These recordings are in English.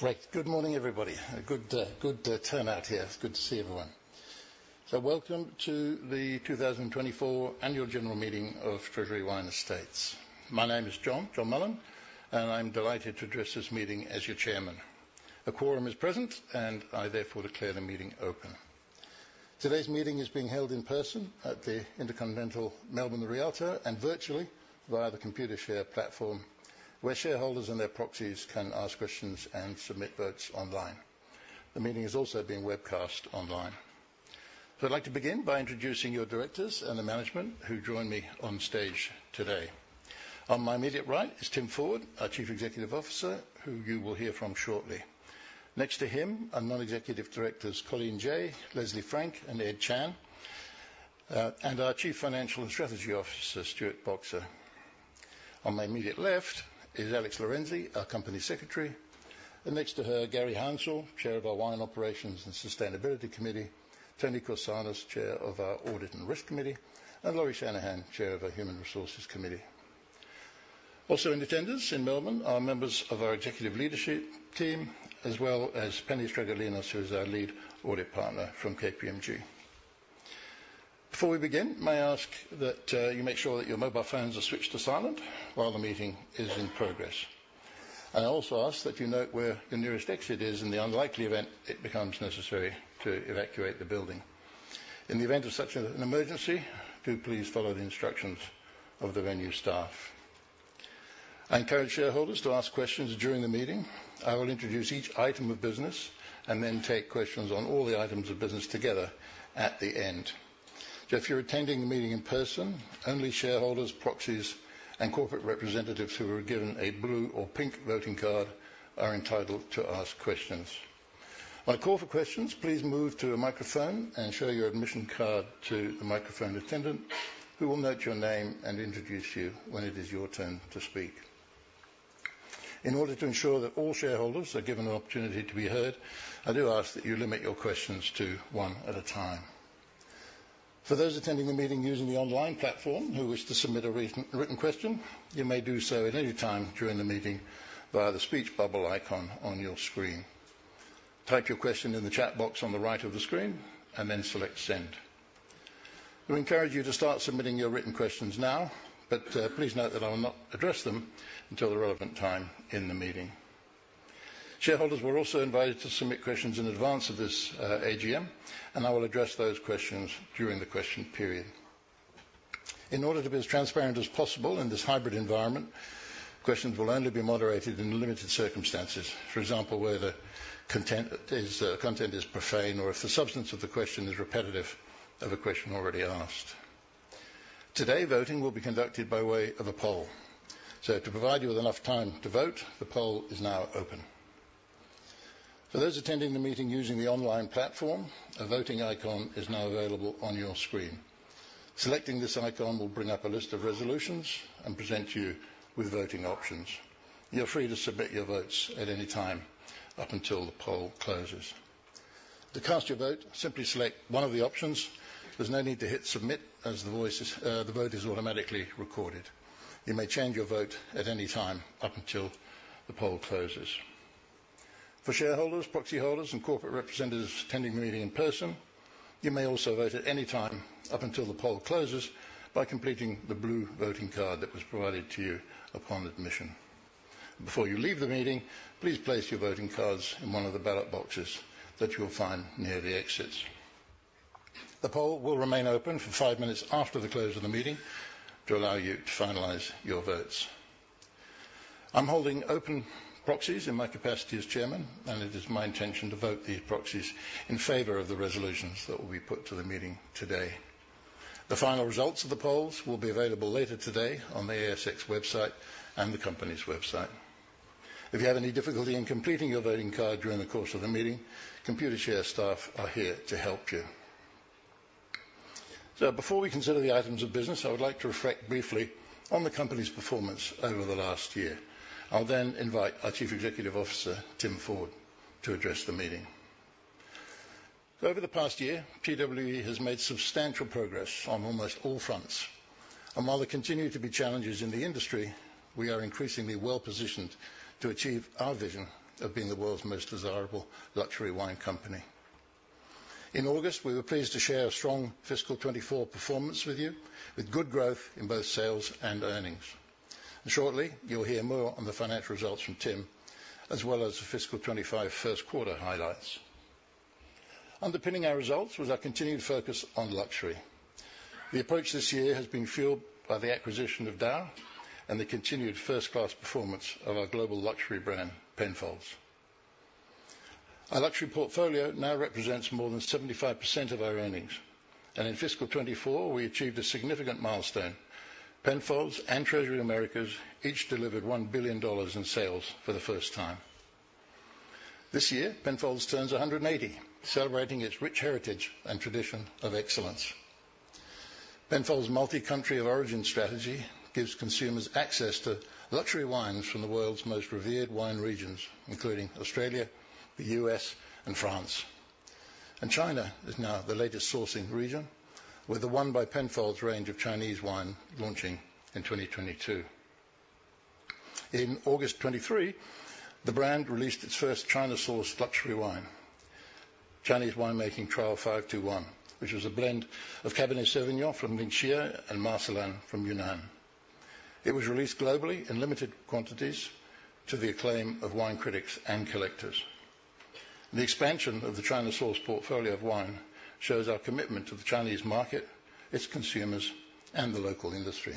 Great. Good morning, everybody, and a good turnout here. It's good to see everyone. So welcome to the 2024 Annual General Meeting of Treasury Wine Estates. My name is John, John Mullen, and I'm delighted to address this meeting as your chairman. A quorum is present, and I therefore declare the meeting open. Today's meeting is being held in person at the InterContinental Melbourne The Rialto, and virtually via the Computershare platform, where shareholders and their proxies can ask questions and submit votes online. The meeting is also being webcast online. So I'd like to begin by introducing your Directors and the management who join me on stage today. On my immediate right is Tim Ford, our Chief Executive Officer, who you will hear from shortly. Next to him, our Non-Executive Directors, Colleen Jay, Leslie Frank, and Ed Chan, and our Chief Financial and Strategy Officer, Stuart Boxer. On my immediate left is Alex Lorenzi, our Company Secretary, and next to her, Garry Hounsell, Chair of our Wine Operations and Sustainability Committee, Toni Korsanos, Chair of our Audit and Risk Committee, and Lauri Shanahan, Chair of our Human Resources Committee. Also in attendance in Melbourne are members of our executive leadership team, as well as Penny Stragalinos, who is our lead audit partner from KPMG. Before we begin, may I ask that you make sure that your mobile phones are switched to silent while the meeting is in progress? I also ask that you note where the nearest exit is in the unlikely event it becomes necessary to evacuate the building. In the event of such an emergency, do please follow the instructions of the venue staff. I encourage shareholders to ask questions during the meeting. I will introduce each item of business and then take questions on all the items of business together at the end. So if you're attending the meeting in person, only shareholders, proxies, and corporate representatives who were given a blue or pink voting card are entitled to ask questions. On call for questions, please move to a microphone and show your admission card to the microphone attendant, who will note your name and introduce you when it is your turn to speak. In order to ensure that all shareholders are given an opportunity to be heard, I do ask that you limit your questions to one at a time. For those attending the meeting using the online platform who wish to submit a written question, you may do so at any time during the meeting via the speech bubble icon on your screen. Type your question in the chat box on the right of the screen, and then select Send. We encourage you to start submitting your written questions now, but please note that I will not address them until the relevant time in the meeting. Shareholders were also invited to submit questions in advance of this AGM, and I will address those questions during the question period. In order to be as transparent as possible in this hybrid environment, questions will only be moderated in limited circumstances. For example, where the content is profane, or if the substance of the question is repetitive of a question already asked. Today, voting will be conducted by way of a poll. So to provide you with enough time to vote, the poll is now open. For those attending the meeting using the online platform, a voting icon is now available on your screen. Selecting this icon will bring up a list of resolutions and present you with voting options. You're free to submit your votes at any time, up until the poll closes. To cast your vote, simply select one of the options. There's no need to hit Submit, as the vote is automatically recorded. You may change your vote at any time, up until the poll closes. For shareholders, proxy holders, and corporate representatives attending the meeting in person, you may also vote at any time, up until the poll closes, by completing the blue voting card that was provided to you upon admission. Before you leave the meeting, please place yourvoting cards in one of the ballot boxes that you will find near the exits. The poll will remain open for five minutes after the close of the meeting to allow you to finalize your votes. I'm holding open proxies in my capacity as chairman, and it is my intention to vote these proxies in favor of the resolutions that will be put to the meeting today. The final results of the polls will be available later today on the ASX website and the company's website. If you have any difficulty in completing your voting card during the course of the meeting, Computershare staff are here to help you. So before we consider the items of business, I would like to reflect briefly on the company's performance over the last year. I'll then invite our Chief Executive Officer, Tim Ford, to address the meeting. Over the past year, TWE has made substantial progress on almost all fronts, and while there continue to be challenges in the industry, we are increasingly well-positioned to achieve our vision of being the world's most desirable luxury wine company. In August, we were pleased to share our strong fiscal 2024 performance with you, with good growth in both sales and earnings. Shortly, you'll hear more on the financial results from Tim, as well as the fiscal 2025 first quarter highlights. Underpinning our results was our continued focus on luxury. The approach this year has been fueled by the acquisition of DAOU and the continued first-class performance of our global luxury brand, Penfolds. Our luxury portfolio now represents more than 75% of our earnings, and in fiscal 2024, we achieved a significant milestone. Penfolds and Treasury Americas each delivered $1 billion in sales for the first time. This year, Penfolds turns one hundred and eighty, celebrating its rich heritage and tradition of excellence. Penfolds' multi-country of origin strategy gives consumers access to luxury wines from the world's most revered wine regions, including Australia, the U.S., and France... and China is now the latest sourcing region, with the One by Penfolds range of Chinese wine launching in 2022. In August 2023, the brand released its first China-sourced luxury wine, Chinese Winemaking Trial 521, which was a blend of Cabernet Sauvignon from Ningxia and Marselan from Yunnan. It was released globally in limited quantities to the acclaim of wine critics and collectors. The expansion of the China source portfolio of wine shows our commitment to the Chinese market, its consumers, and the local industry.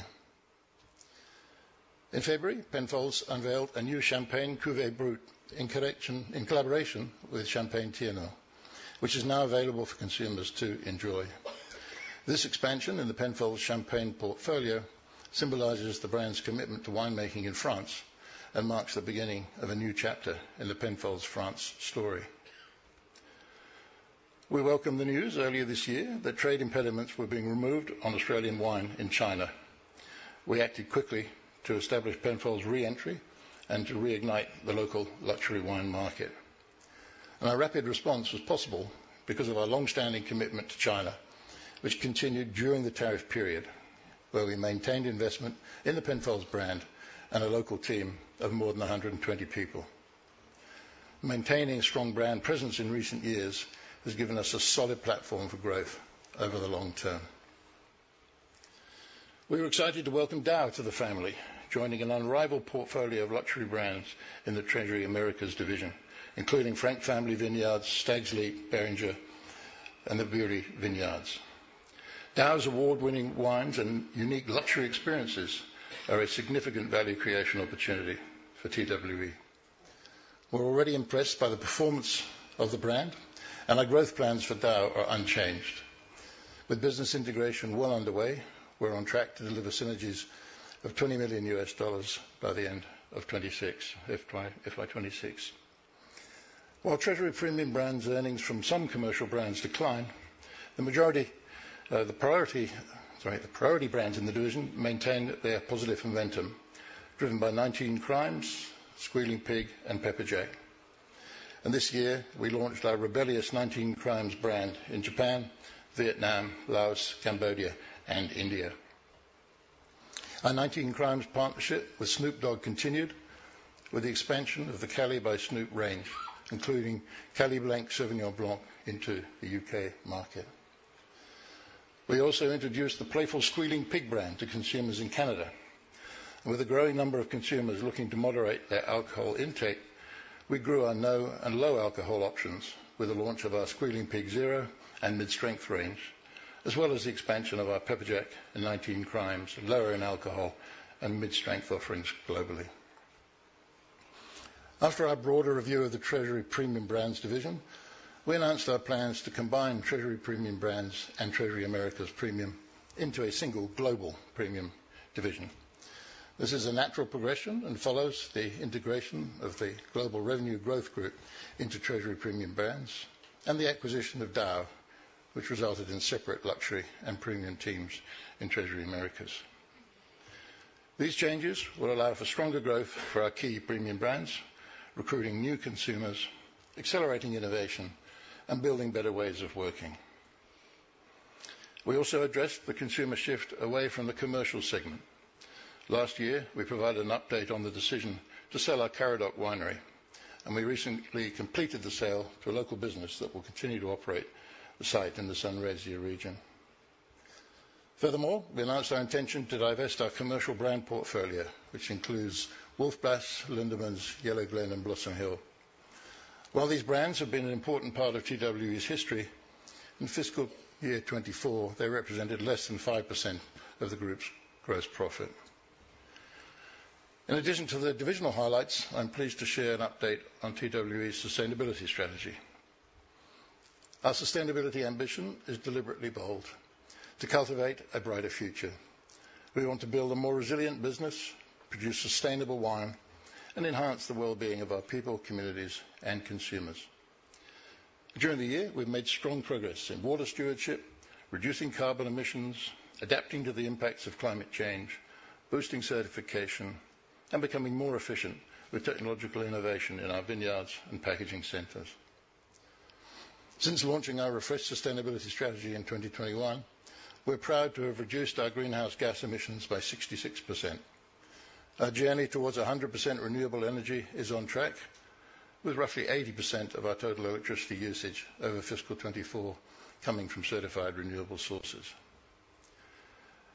In February, Penfolds unveiled a new Champagne Cuvée Brut in connection, in collaboration with Champagne Taittinger, which is now available for consumers to enjoy. This expansion in the Penfolds Champagne portfolio symbolizes the brand's commitment to winemaking in France, and marks the beginning of a new chapter in the Penfolds France story. We welcomed the news earlier this year that trade impediments were being removed on Australian wine in China. We acted quickly to establish Penfolds re-entry and to reignite the local luxury wine market, and our rapid response was possible because of our long-standing commitment to China, which continued during the tariff period, where we maintained investment in the Penfolds brand and a local team of more than a hundred and twenty people. Maintaining a strong brand presence in recent years has given us a solid platform for growth over the long term. We were excited to welcome DAOU to the family, joining an unrivaled portfolio of luxury brands in the Treasury Americas division, including Frank Family Vineyards, Stags' Leap, Beringer, and the Beaulieu Vineyard. DAOU's award-winning wines and unique luxury experiences are a significant value creation opportunity for TWE. We're already impressed by the performance of the brand, and our growth plans for DAOU are unchanged. With business integration well underway, we're on track to deliver synergies of $20 million by the end of 2026, FY 2026. While Treasury Premium Brands earnings from some commercial brands decline, the majority, the priority brands in the division maintain their positive momentum, driven by 19 Crimes, Squealing Pig, and Pepperjack. This year, we launched our rebellious 19 Crimes brand in Japan, Vietnam, Laos, Cambodia, and India. Our 19 Crimes partnership with Snoop Dogg continued with the expansion of the Cali by Snoop range, including Cali Blanc Sauvignon Blanc into the U.K. market. We also introduced the playful Squealing Pig brand to consumers in Canada. With a growing number of consumers looking to moderate their alcohol intake, we grew our no and low alcohol options with the launch of our Squealing Pig Zero and mid-strength range, as well as the expansion of our Pepperjack and 19 Crimes, lower in alcohol and mid-strength offerings globally. After our broader review of the Treasury Premium Brands division, we announced our plans to combine Treasury Premium Brands and Treasury Americas Premium into a single global premium division. This is a natural progression and follows the integration of the Global Revenue Growth group into Treasury Premium Brands, and the acquisition of DAOU, which resulted in separate luxury and premium teams in Treasury Americas. These changes will allow for stronger growth for our key premium brands, recruiting new consumers, accelerating innovation, and building better ways of working. We also addressed the consumer shift away from the commercial segment. Last year, we provided an update on the decision to sell our Karadoc Winery, and we recently completed the sale to a local business that will continue to operate the site in the Sunraysia region. Furthermore, we announced our intention to divest our commercial brand portfolio, which includes Wolf Blass, Lindeman's, Yellowglen, and Blossom Hill. While these brands have been an important part of TWE's history, in fiscal year 2024, they represented less than 5% of the group's gross profit. In addition to the divisional highlights, I'm pleased to share an update on TWE's sustainability strategy. Our sustainability ambition is deliberately bold: to cultivate a brighter future. We want to build a more resilient business, produce sustainable wine, and enhance the well-being of our people, communities, and consumers. During the year, we've made strong progress in water stewardship, reducing carbon emissions, adapting to the impacts of climate change, boosting certification, and becoming more efficient with technological innovation in our vineyards and packaging centers. Since launching our refreshed sustainability strategy in 2021, we're proud to have reduced our greenhouse gas emissions by 66%. Our journey towards 100% renewable energy is on track, with roughly 80% of our total electricity usage over fiscal 2024 coming from certified renewable sources.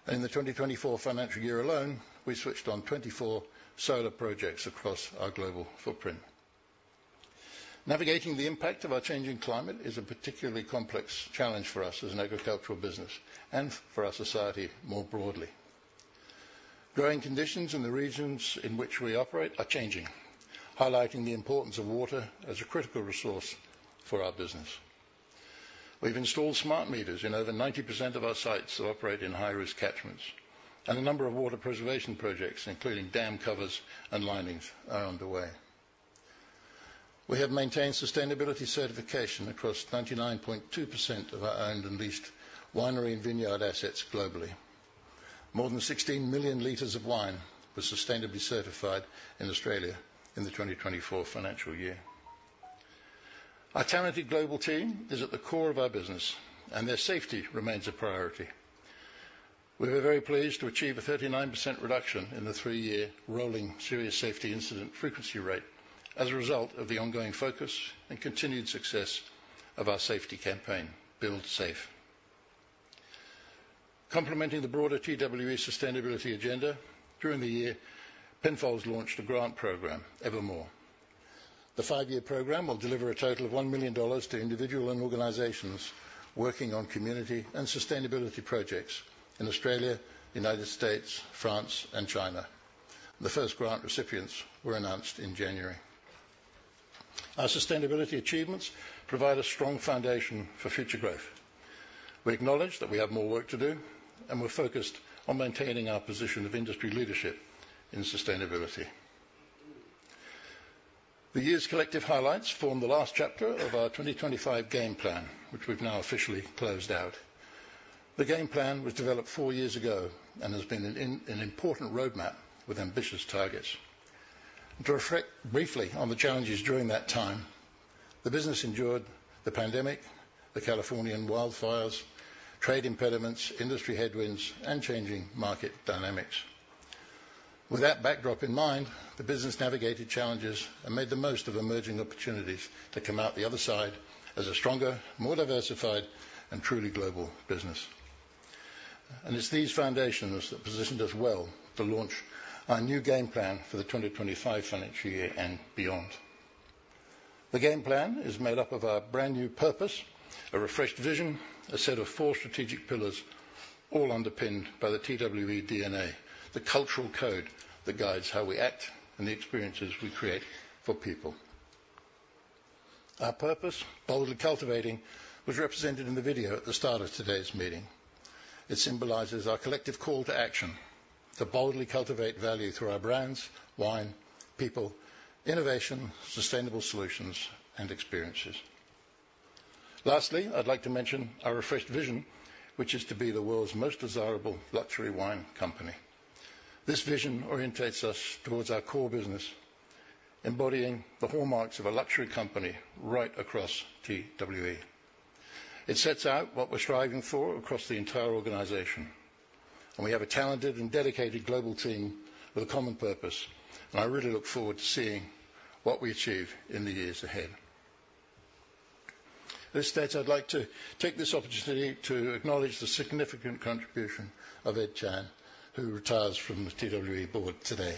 In the 2024 financial year alone, we switched on 24 solar projects across our global footprint. Navigating the impact of our changing climate is a particularly complex challenge for us as an agricultural business, and for our society more broadly. Growing conditions in the regions in which we operate are changing, highlighting the importance of water as a critical resource for our business. We've installed smart meters in over 90% of our sites that operate in high-risk catchments, and a number of water preservation projects, including dam covers and linings, are underway. We have maintained sustainability certification across 99.2% of our owned and leased winery and vineyard assets globally. More than 16 million litres of wine were sustainably certified in Australia in the 2024 financial year. Our talented global team is at the core of our business, and their safety remains a priority. We were very pleased to achieve a 39% reduction in the three-year rolling serious safety incident frequency rate as a result of the ongoing focus and continued success of our safety campaign, Build Safe. Complementing the broader TWE sustainability agenda, during the year, Penfolds launched a grant program, Evermore. The five-year program will deliver a total of $1 million to individuals and organizations working on community and sustainability projects in Australia, United States, France, and China. The first grant recipients were announced in January. Our sustainability achievements provide a strong foundation for future growth. We acknowledge that we have more work to do, and we're focused on maintaining our position of industry leadership in sustainability. The year's collective highlights form the last chapter of our 2025 Game Plan, which we've now officially closed out. The Game Plan was developed four years ago and has been an important roadmap with ambitious targets. To reflect briefly on the challenges during that time, the business endured the pandemic, the Californian wildfires, trade impediments, industry headwinds, and changing market dynamics. With that backdrop in mind, the business navigated challenges and made the most of emerging opportunities to come out the other side as a stronger, more diversified, and truly global business. And it's these foundations that positioned us well to launch our new Game Plan for the 2025 financial year and beyond. The Game Plan is made up of our brand-new purpose, a refreshed vision, a set of four strategic pillars, all underpinned by the TWE DNA, the cultural code that guides how we act and the experiences we create for people. Our purpose, Boldly Cultivating, was represented in the video at the start of today's meeting. It symbolizes our collective call to action to boldly cultivate value through our brands, wine, people, innovation, sustainable solutions, and experiences. Lastly, I'd like to mention our refreshed vision, which is to be the world's most desirable luxury wine company. This vision orientates us towards our core business, embodying the hallmarks of a luxury company right across TWE. It sets out what we're striving for across the entire organization, and we have a talented and dedicated global team with a common purpose, and I really look forward to seeing what we achieve in the years ahead. At this stage, I'd like to take this opportunity to acknowledge the significant contribution of Ed Chan, who retires from the TWE Board today.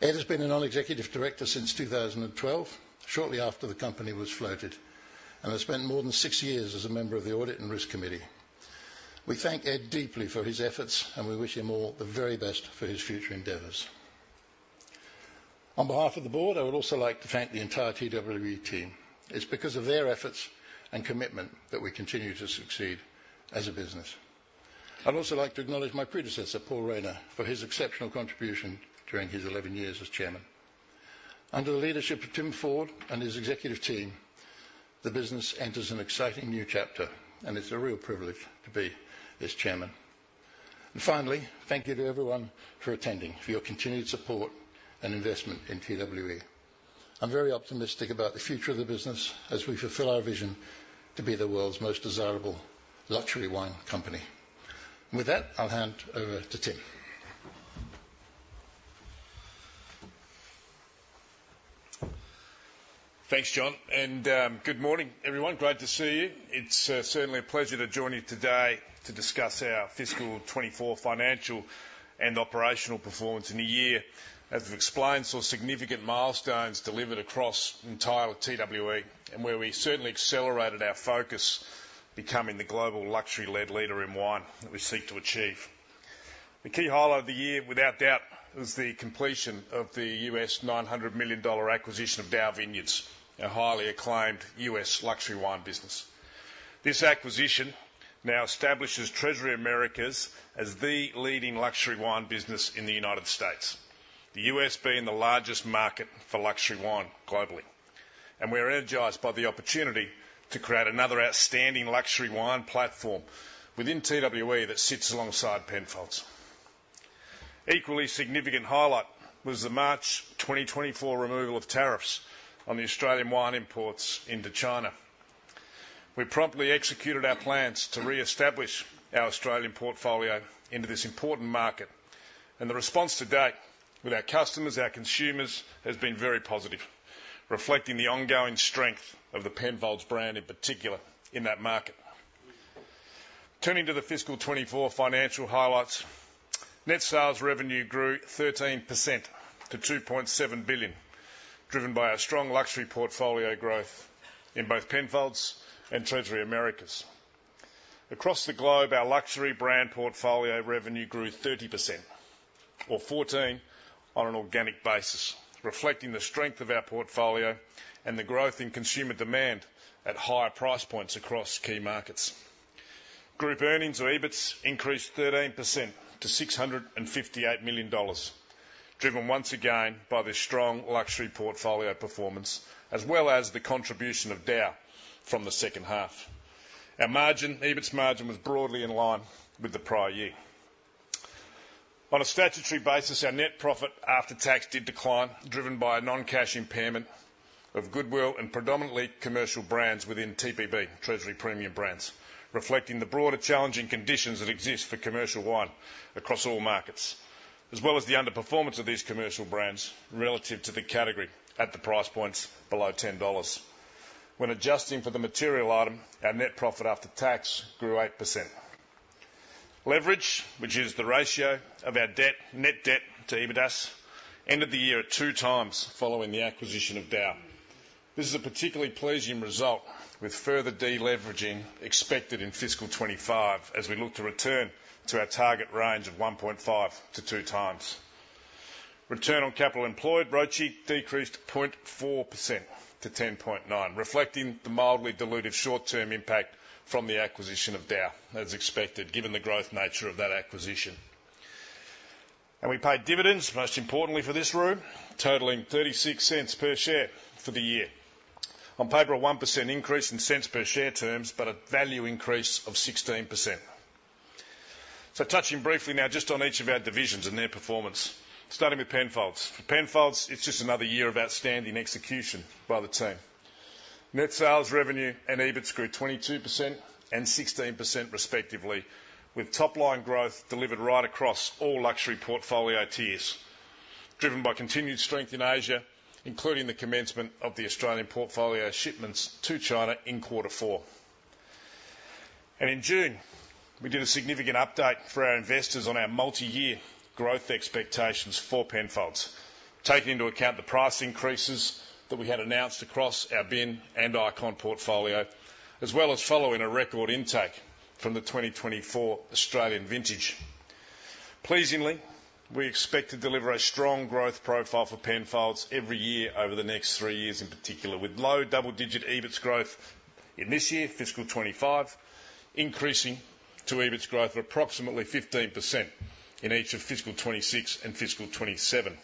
Ed has been a Non-Executive Director since 2012, shortly after the company was floated, and has spent more than six years as a member of the Audit and Risk Committee. We thank Ed deeply for his efforts, and we wish him all the very best for his future endeavors. On behalf of the Board, I would also like to thank the entire TWE team. It's because of their efforts and commitment that we continue to succeed as a business. I'd also like to acknowledge my predecessor, Paul Rayner, for his exceptional contribution during his eleven years as chairman. Under the leadership of Tim Ford and his executive team, the business enters an exciting new chapter, and it's a real privilege to be this chairman. And finally, thank you to everyone for attending, for your continued support and investment in TWE. I'm very optimistic about the future of the business as we fulfill our vision to be the world's most desirable luxury wine company. With that, I'll hand over to Tim. Thanks, John, and good morning, everyone. Great to see you. It's certainly a pleasure to join you today to discuss our fiscal 2024 financial and operational performance in a year, as we've explained, saw significant milestones delivered across the entire TWE, and where we certainly accelerated our focus, becoming the global luxury-led leader in wine that we seek to achieve. The key highlight of the year, without doubt, was the completion of the U.S. $900 million acquisition of DAOU Vineyards, a highly acclaimed U.S. luxury wine business. This acquisition now establishes Treasury Americas as the leading luxury wine business in the United States, the U.S. being the largest market for luxury wine globally. And we're energized by the opportunity to create another outstanding luxury wine platform within TWE that sits alongside Penfolds. Equally significant highlight was the March 2024 removal of tariffs on the Australian wine imports into China. We promptly executed our plans to reestablish our Australian portfolio into this important market, and the response to date with our customers, our consumers, has been very positive, reflecting the ongoing strength of the Penfolds brand, in particular in that market. Turning to the fiscal 2024 financial highlights, net sales revenue grew 13% to 2.7 billion, driven by our strong luxury portfolio growth in both Penfolds and Treasury Americas. Across the globe, our luxury brand portfolio revenue grew 30%, or 14 on an organic basis, reflecting the strength of our portfolio and the growth in consumer demand at higher price points across key markets. Group earnings or EBITS increased 13% to 658 million dollars. Driven once again by the strong luxury portfolio performance, as well as the contribution of DAOU from the second half. Our margin, EBITS margin, was broadly in line with the prior year. On a statutory basis, our net profit after tax did decline, driven by a non-cash impairment of goodwill in predominantly commercial brands within TPB, Treasury Premium Brands, reflecting the broader challenging conditions that exist for commercial wine across all markets, as well as the underperformance of these commercial brands relative to the category at the price points below 10 dollars. When adjusting for the material item, our net profit after tax grew 8%. Leverage, which is the ratio of our debt, net debt to EBITDAS, ended the year at two times following the acquisition of DAOU. This is a particularly pleasing result, with further deleveraging expected in fiscal 2025, as we look to return to our target range of 1.5-2 times. Return on capital employed, ROCE, decreased 0.4% to 10.9%, reflecting the mildly dilutive short-term impact from the acquisition of DAOU, as expected, given the growth nature of that acquisition, and we paid dividends, most importantly for this room, totaling 0.36 per share for the year. On paper, a 1% increase in cents per share terms, but a value increase of 16%. So touching briefly now just on each of our divisions and their performance, starting with Penfolds. Penfolds, it's just another year of outstanding execution by the team. Net sales revenue and EBITS grew 22% and 16%, respectively, with top line growth delivered right across all luxury portfolio tiers, driven by continued strength in Asia, including the commencement of the Australian portfolio shipments to China in quarter four, and in June, we did a significant update for our investors on our multi-year growth expectations for Penfolds, taking into account the price increases that we had announced across our Bin and Icon portfolio, as well as following a record intake from the 2024 Australian vintage. Pleasingly, we expect to deliver a strong growth profile for Penfolds every year over the next three years, in particular, with low double-digit EBITS growth in this year, fiscal 2025, increasing to EBITS growth of approximately 15% in each of fiscal 2026 and fiscal 2027,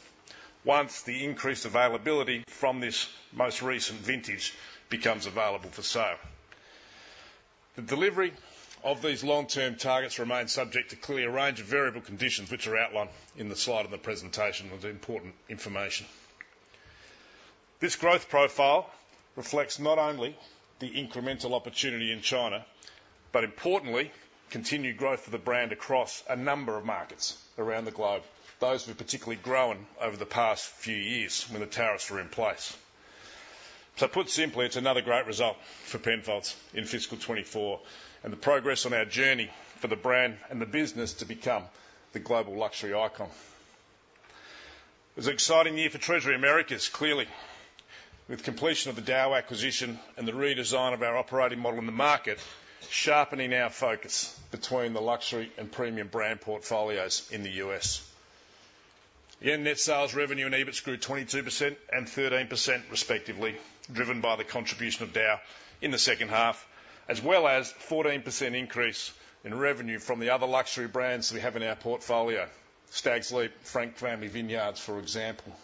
once the increased availability from this most recent vintage becomes available for sale. The delivery of these long-term targets remains subject to clearly a range of variable conditions, which are outlined in the slide of the presentation with the important information. This growth profile reflects not only the incremental opportunity in China, but importantly, continued growth of the brand across a number of markets around the globe, those who have particularly grown over the past few years when the tariffs were in place. So put simply, it's another great result for Penfolds in fiscal 2024, and the progress on our journey for the brand and the business to become the global luxury icon. It was an exciting year for Treasury Americas, clearly, with completion of the DAOU acquisition and the redesign of our operating model in the market, sharpening our focus between the luxury and premium brand portfolios in the U.S. Year net sales revenue and EBITS grew 22% and 13%, respectively, driven by the contribution of DAOU in the second half, as well as 14% increase in revenue from the other luxury brands we have in our portfolio, Stags' Leap, Frank Family Vineyards, for example.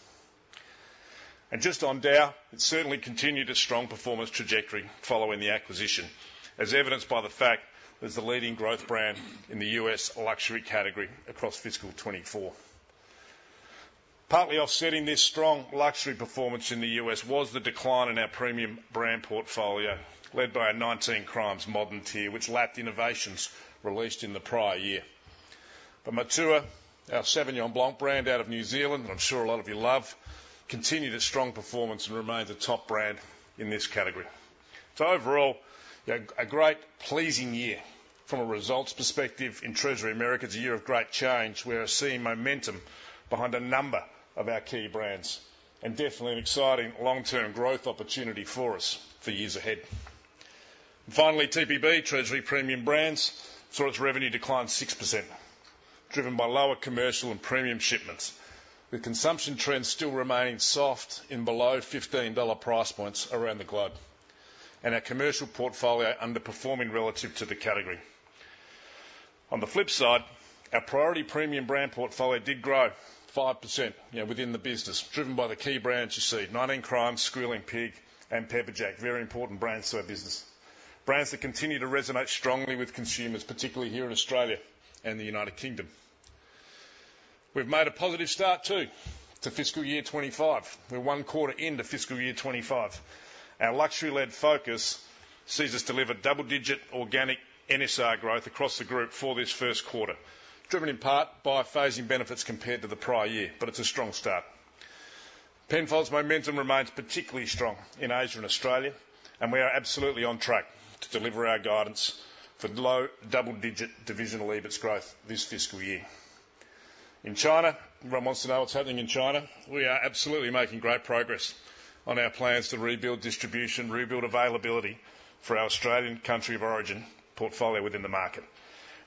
And just on DAOU, it certainly continued a strong performance trajectory following the acquisition, as evidenced by the fact that it's the leading growth brand in the U.S. luxury category across fiscal 2024. Partly offsetting this strong luxury performance in the U.S. was the decline in our premium brand portfolio, led by a 19 Crimes modern tier, which lapped innovations released in the prior year. But Matua, our Sauvignon Blanc brand out of New Zealand, I'm sure a lot of you love, continued its strong performance and remains a top brand in this category. Overall, a great, pleasing year from a results perspective in Treasury Americas. It's a year of great change. We are seeing momentum behind a number of our key brands, and definitely an exciting long-term growth opportunity for us for years ahead. Finally, TPB, Treasury Premium Brands, saw its revenue decline 6%, driven by lower commercial and premium shipments, with consumption trends still remaining soft in below $15 price points around the globe, and our commercial portfolio underperforming relative to the category. On the flip side, our priority premium brand portfolio did grow 5%, you know, within the business, driven by the key brands you see, 19 Crimes, Squealing Pig, and Pepperjack, very important brands to our business. Brands that continue to resonate strongly with consumers, particularly here in Australia and the United Kingdom. We've made a positive start, too, to fiscal year 2025. We're one quarter into fiscal year 2025. Our luxury-led focus sees us deliver double-digit organic NSR growth across the group for this first quarter, driven in part by phasing benefits compared to the prior year, but it's a strong start. Penfolds' momentum remains particularly strong in Asia and Australia, and we are absolutely on track to deliver our guidance for low double-digit divisional EBITS growth this fiscal year. In China, everyone wants to know what's happening in China. We are absolutely making great progress on our plans to rebuild distribution, rebuild availability for our Australian country of origin portfolio within the market.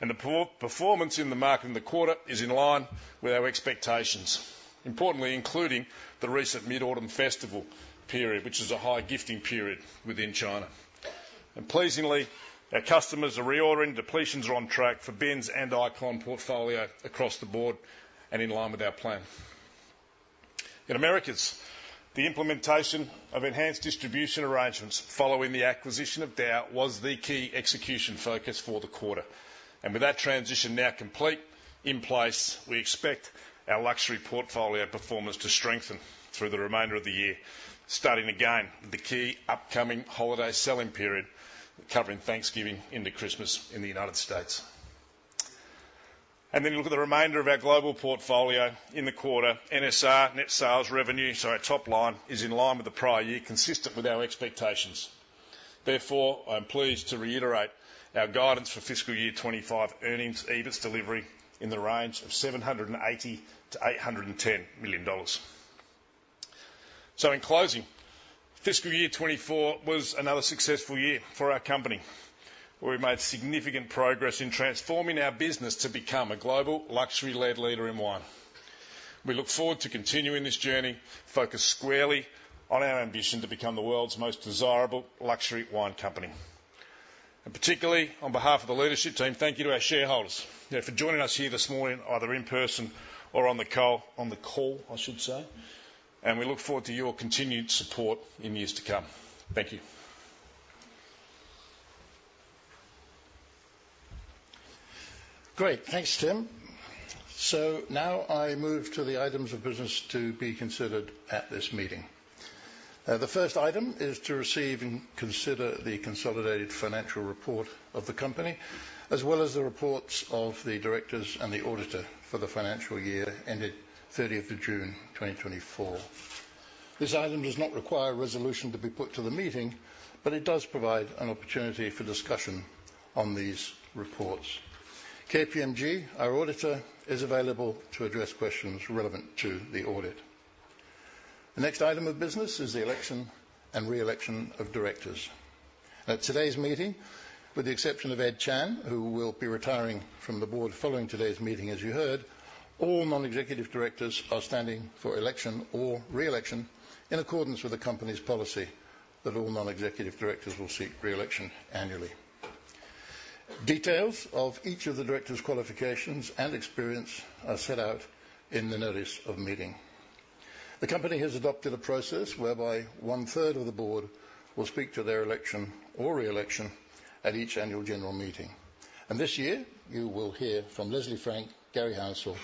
The poor performance in the market in the quarter is in line with our expectations, importantly, including the recent Mid-Autumn Festival period, which is a high gifting period within China. And pleasingly, our customers are reordering. Depletions are on track for Bins and Icon portfolio across the Board and in line with our plan. In Americas, the implementation of enhanced distribution arrangements following the acquisition of DAOU was the key execution focus for the quarter. And with that transition now complete, in place, we expect our luxury portfolio performance to strengthen through the remainder of the year, starting again, the key upcoming holiday selling period, covering Thanksgiving into Christmas in the United States. And then look at the remainder of our global portfolio in the quarter, NSR, net sales revenue, so our top line, is in line with the prior year, consistent with our expectations. Therefore, I'm pleased to reiterate our guidance for fiscal year 2025 earnings, EBITS delivery, in the range of 780 million-810 million dollars. In closing, fiscal year 2024 was another successful year for our company. We've made significant progress in transforming our business to become a global luxury-led leader in wine. We look forward to continuing this journey, focused squarely on our ambition to become the world's most desirable luxury wine company. And particularly, on behalf of the leadership team, thank you to our shareholders for joining us here this morning, either in person or on the call, I should say, and we look forward to your continued support in years to come. Thank you. Great. Thanks, Tim. So now I move to the items of business to be considered at this meeting. The first item is to receive and consider the consolidated financial report of the company, as well as the reports of the Directors and the Auditor for the financial year ended 30th of June, 2024. This item does not require a resolution to be put to the meeting, but it does provide an opportunity for discussion on these reports. KPMG, our Auditor, is available to address questions relevant to the audit. The next item of business is the election and re-election of Directors. At today's meeting, with the exception of Ed Chan, who will be retiring from the Board following today's meeting, as you heard, all Non-Executive Directors are standing for election or re-election in accordance with the company's policy that all Non-Executive Directors will seek re-election annually. Details of each of the Directors' qualifications and experience are set out in the Notice of Meeting. The company has adopted a process whereby one-third of the Board will speak to their election or re-election at each annual general meeting. And this year, you will hear from Leslie Frank, Garry Hounsell,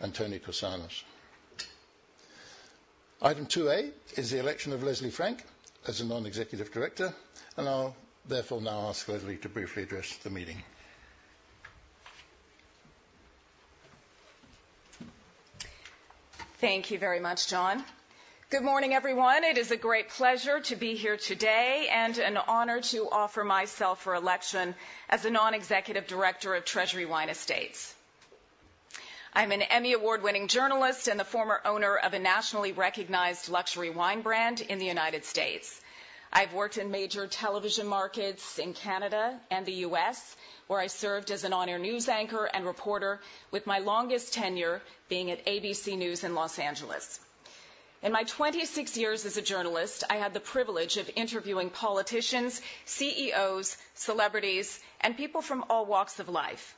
and Toni Korsanos. Item two-A is the election of Leslie Frank as a Non-Executive Director, and I'll therefore now ask Leslie to briefly address the meeting. Thank you very much, John. Good morning, everyone. It is a great pleasure to be here today, and an honor to offer myself for election as a Non-Executive Director of Treasury Wine Estates. I'm an Emmy Award-winning journalist and the former owner of a nationally recognized luxury wine brand in the United States. I've worked in major television markets in Canada and the U.S., where I served as an on-air news anchor and reporter, with my longest tenure being at ABC News in Los Angeles. In my 26 years as a journalist, I had the privilege of interviewing politicians, CEOs, celebrities, and people from all walks of life.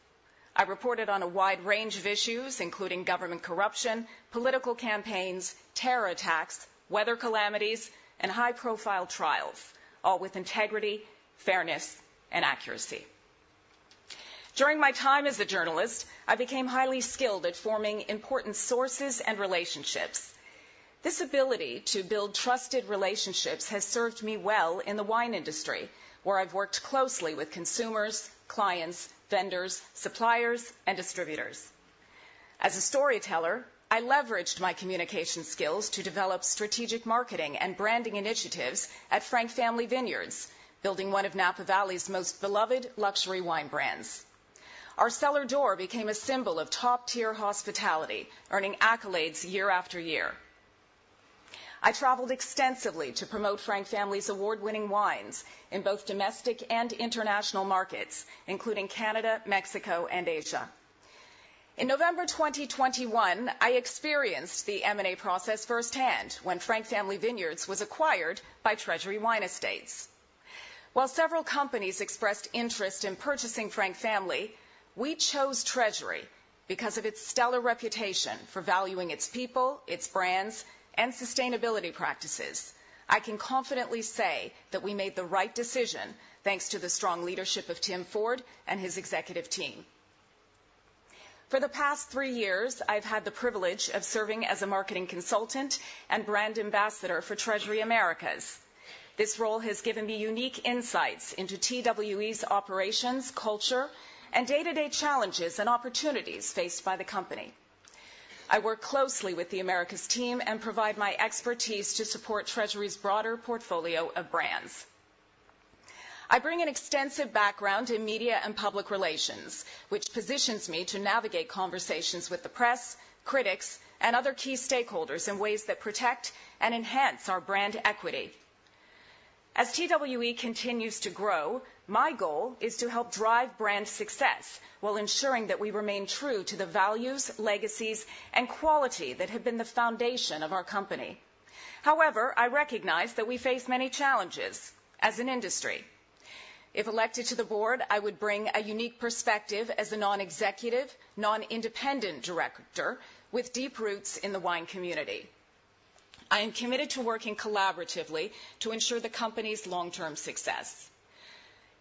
I reported on a wide range of issues, including government corruption, political campaigns, terror attacks, weather calamities, and high-profile trials, all with integrity, fairness, and accuracy. During my time as a journalist, I became highly skilled at forming important sources and relationships. This ability to build trusted relationships has served me well in the wine industry, where I've worked closely with consumers, clients, vendors, suppliers, and distributors. As a storyteller, I leveraged my communication skills to develop strategic marketing and branding initiatives at Frank Family Vineyards, building one of Napa Valley's most beloved luxury wine brands. Our cellar door became a symbol of top-tier hospitality, earning accolades year after year. I traveled extensively to promote Frank Family's award-winning wines in both domestic and international markets, including Canada, Mexico, and Asia. In November 2021, I experienced the M&A process firsthand when Frank Family Vineyards was acquired by Treasury Wine Estates. While several companies expressed interest in purchasing Frank Family, we chose Treasury because of its stellar reputation for valuing its people, its brands, and sustainability practices. I can confidently say that we made the right decision, thanks to the strong leadership of Tim Ford and his executive team. For the past three years, I've had the privilege of serving as a marketing consultant and brand ambassador for Treasury Americas. This role has given me unique insights into TWE's operations, culture, and day-to-day challenges and opportunities faced by the company. I work closely with the Americas team and provide my expertise to support Treasury's broader portfolio of brands. I bring an extensive background in media and public relations, which positions me to navigate conversations with the press, critics, and other key stakeholders in ways that protect and enhance our brand equity. As TWE continues to grow, my goal is to help drive brand success while ensuring that we remain true to the values, legacies, and quality that have been the foundation of our company. However, I recognize that we face many challenges as an industry. If elected to the Board, I would bring a unique perspective as a Non-Executive, Non-Independent Director with deep roots in the wine community. I am committed to working collaboratively to ensure the company's long-term success.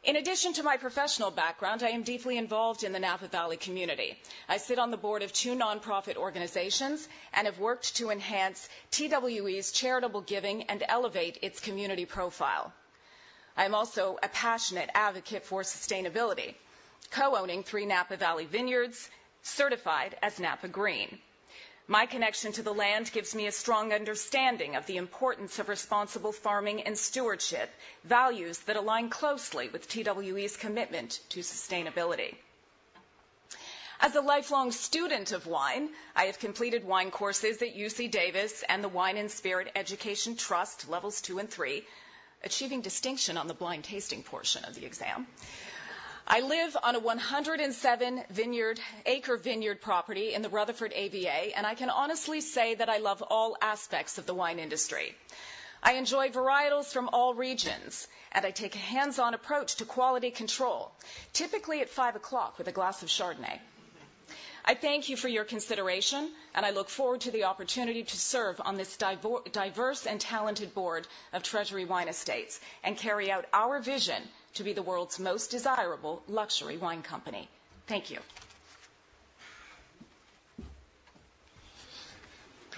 In addition to my professional background, I am deeply involved in the Napa Valley community. I sit on the Board of two nonprofit organizations and have worked to enhance TWE's charitable giving and elevate its community profile. I am also a passionate advocate for sustainability, co-owning three Napa Valley Vineyards, certified as Napa Green. My connection to the land gives me a strong understanding of the importance of responsible farming and stewardship, values that align closely with TWE's commitment to sustainability. As a lifelong student of wine, I have completed wine courses at UC Davis and the Wine & Spirit Education Trust, levels 2 and 3, achieving distinction on the blind tasting portion of the exam. I live on a 107-acre vineyard property in the Rutherford AVA, and I can honestly say that I love all aspects of the wine industry. I enjoy varietals from all regions, and I take a hands-on approach to quality control, typically at five o'clock with a glass of Chardonnay. I thank you for your consideration, and I look forward to the opportunity to serve on this diverse and talented Board of Treasury Wine Estates, and carry out our vision to be the world's most desirable luxury wine company. Thank you.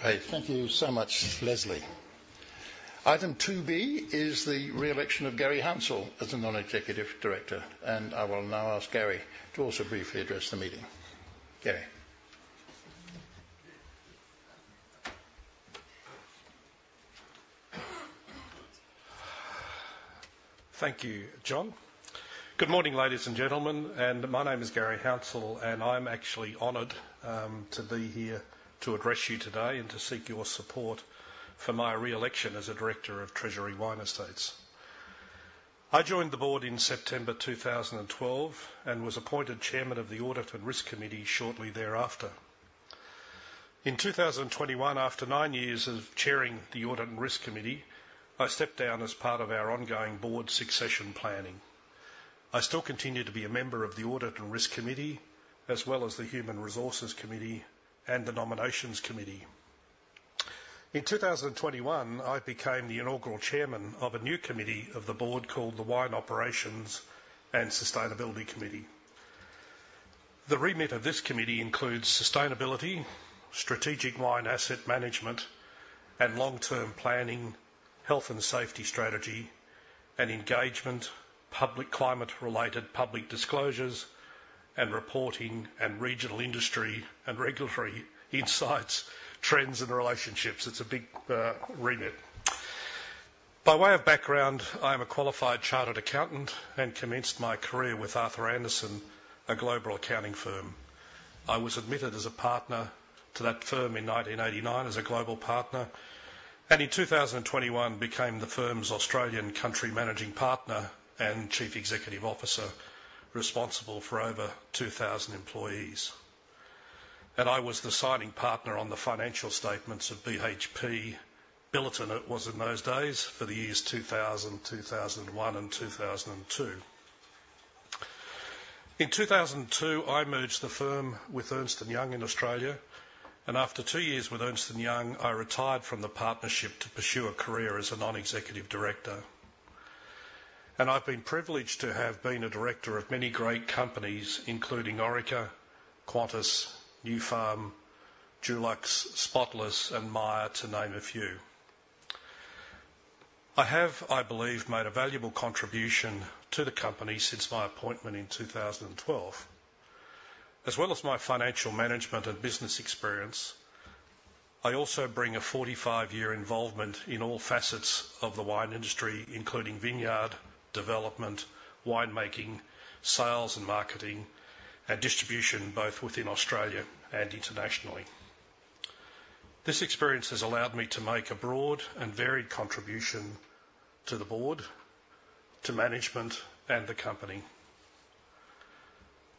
Great. Thank you so much, Leslie. Item two B is the re-election of Garry Hounsell as a Non-Executive Director, and I will now ask Garry to also briefly address the meeting. Garry? Thank you, John. Good morning, ladies and gentlemen, and my name is Garry Hounsell, and I'm actually honored to be here to address you today and to seek your support for my re-election as a Director of Treasury Wine Estates. I joined the Board in September 2012, and was appointed Chairman of the Audit and Risk Committee shortly thereafter. In 2021, after nine years of chairing the Audit and Risk Committee, I stepped down as part of our ongoing Board succession planning. I still continue to be a member of the Audit and Risk Committee, as well as the Human Resources Committee and the Nominations Committee. In 2021, I became the inaugural chairman of a new committee of the Board called the Wine Operations and Sustainability Committee. The remit of this committee includes sustainability, strategic wine asset management and long-term planning, health and safety strategy and engagement, public climate-related public disclosures and reporting, and regional industry and regulatory insights, trends, and relationships. It's a big remit. By way of background, I am a qualified chartered accountant and commenced my career with Arthur Andersen, a global accounting firm. I was admitted as a partner to that firm in 1989 as a global partner, and in 2021 became the firm's Australian country managing partner and Chief Executive Officer, responsible for over 2,000 employees. And I was the signing partner on the financial statements of BHP Billiton, it was in those days, for the years 2000, 2001, and 2002. In 2002, I merged the firm with Ernst & Young in Australia, and after two years with Ernst & Young, I retired from the partnership to pursue a career as a Non-Executive Director, and I've been privileged to have been a Director of many great companies, including Orica, Qantas, Nufarm, Dulux, Spotless, and Myer, to name a few. I have, I believe, made a valuable contribution to the company since my appointment in 2012. As well as my financial management and business experience, I also bring a forty-five-year involvement in all facets of the wine industry, including vineyard, development, wine making, sales and marketing, and distribution, both within Australia and internationally. This experience has allowed me to make a broad and varied contribution to the Board, to management, and the company.